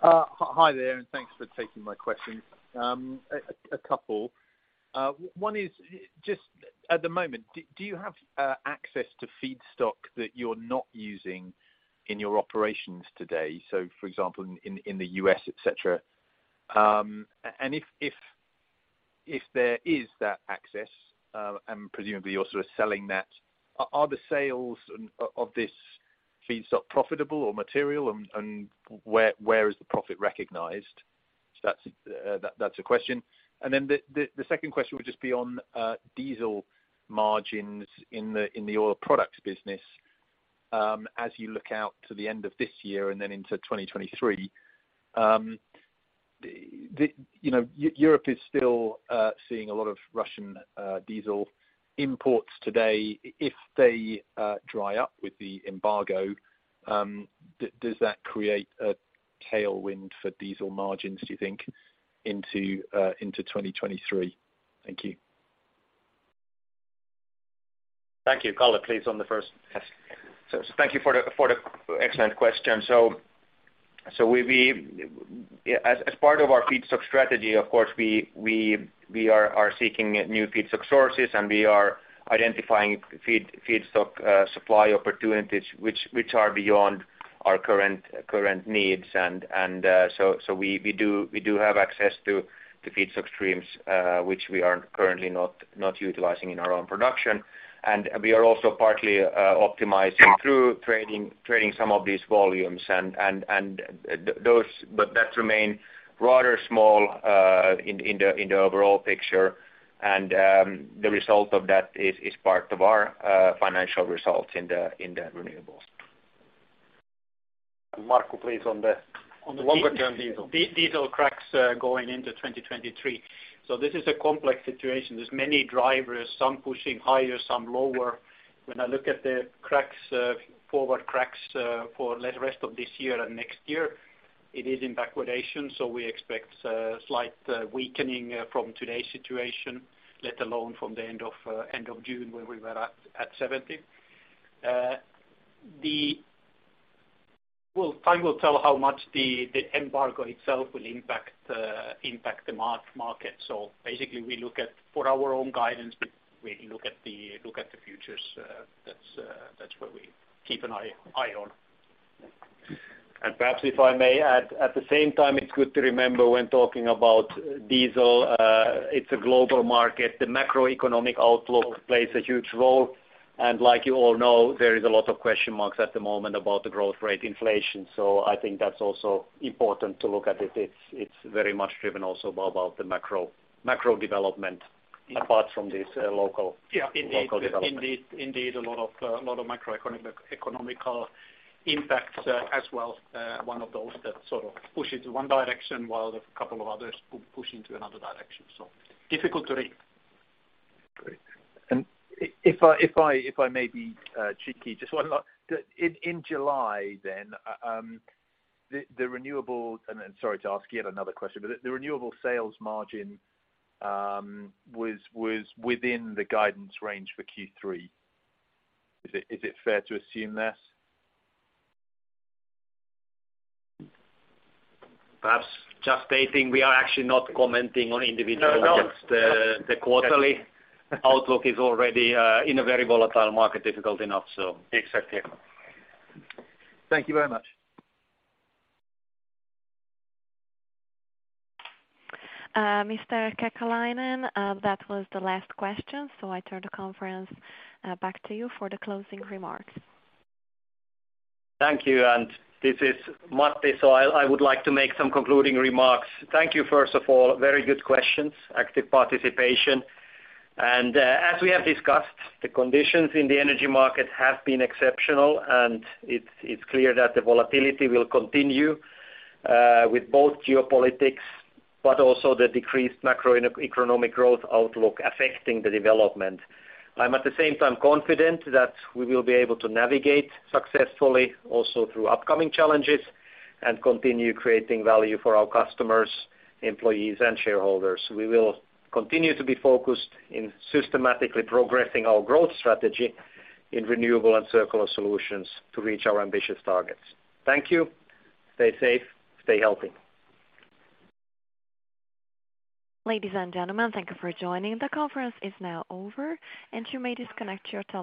Hi there, and thanks for taking my questions. A couple. One is just at the moment, do you have access to feedstock that you're not using in your operations today? For example in the U.S., et cetera. And if there is that access, and presumably you're sort of selling that, are the sales of this feedstock profitable or material and where is the profit recognized? That's a question. The second question would just be on diesel margins in the Oil Products business. As you look out to the end of this year and then into 2023, you know, Europe is still seeing a lot of Russian diesel imports today. If they dry up with the embargo, does that create a tailwind for diesel margins, do you think, into 2023? Thank you. Thank you. Carl, please, on the first. Yes. Thank you for the excellent question. We, as part of our feedstock strategy, of course, we are seeking new feedstock sources, and we are identifying feedstock supply opportunities which are beyond our current needs. We do have access to the feedstock streams which we are currently not utilizing in our own production. We are also partly optimizing through trading some of these volumes and those that remain rather small in the overall picture. The result of that is part of our financial results in the Renewables. Markku, please, on the longer term diesel. Diesel cracks going into 2023. This is a complex situation. There are many drivers, some pushing higher, some lower. When I look at the cracks, forward cracks, for the rest of this year and next year, it is in backwardation, so we expect a slight weakening from today's situation, let alone from the end of June, where we were at $70. Well, time will tell how much the embargo itself will impact the market. Basically we look at, for our own guidance, we look at the futures. That's where we keep an eye on. Perhaps if I may add, at the same time it's good to remember when talking about diesel, it's a global market. The macroeconomic outlook plays a huge role. Like you all know, there is a lot of question marks at the moment about the growth rate inflation. I think that's also important to look at it. It's very much driven also by the macro development apart from this local. Yeah. Local development. Indeed, a lot of macroeconomic and economic impacts, as well. One of those that sort of push into one direction while a couple of others push into another direction. Difficult to read. Great. If I may be cheeky, just one last. Sorry to ask yet another question, but the renewable sales margin was within the guidance range for Q3. Is it fair to assume that? Perhaps just stating we are actually not commenting on individual. No, no. The quarterly outlook is already in a very volatile market, difficult enough, so. Exactly. Thank you very much. Mr. Kekäläinen, that was the last question. I turn the conference back to you for the closing remarks. Thank you. This is Matti Lehmus, so I would like to make some concluding remarks. Thank you, first of all, very good questions, active participation. As we have discussed, the conditions in the energy market have been exceptional, and it's clear that the volatility will continue with both geopolitics, but also the decreased macroeconomic growth outlook affecting the development. I'm at the same time confident that we will be able to navigate successfully also through upcoming challenges and continue creating value for our customers, employees, and shareholders. We will continue to be focused in systematically progressing our growth strategy in renewable and circular solutions to reach our ambitious targets. Thank you. Stay safe. Stay healthy. Ladies and gentlemen, thank you for joining. The conference is now over and you may disconnect your telephones.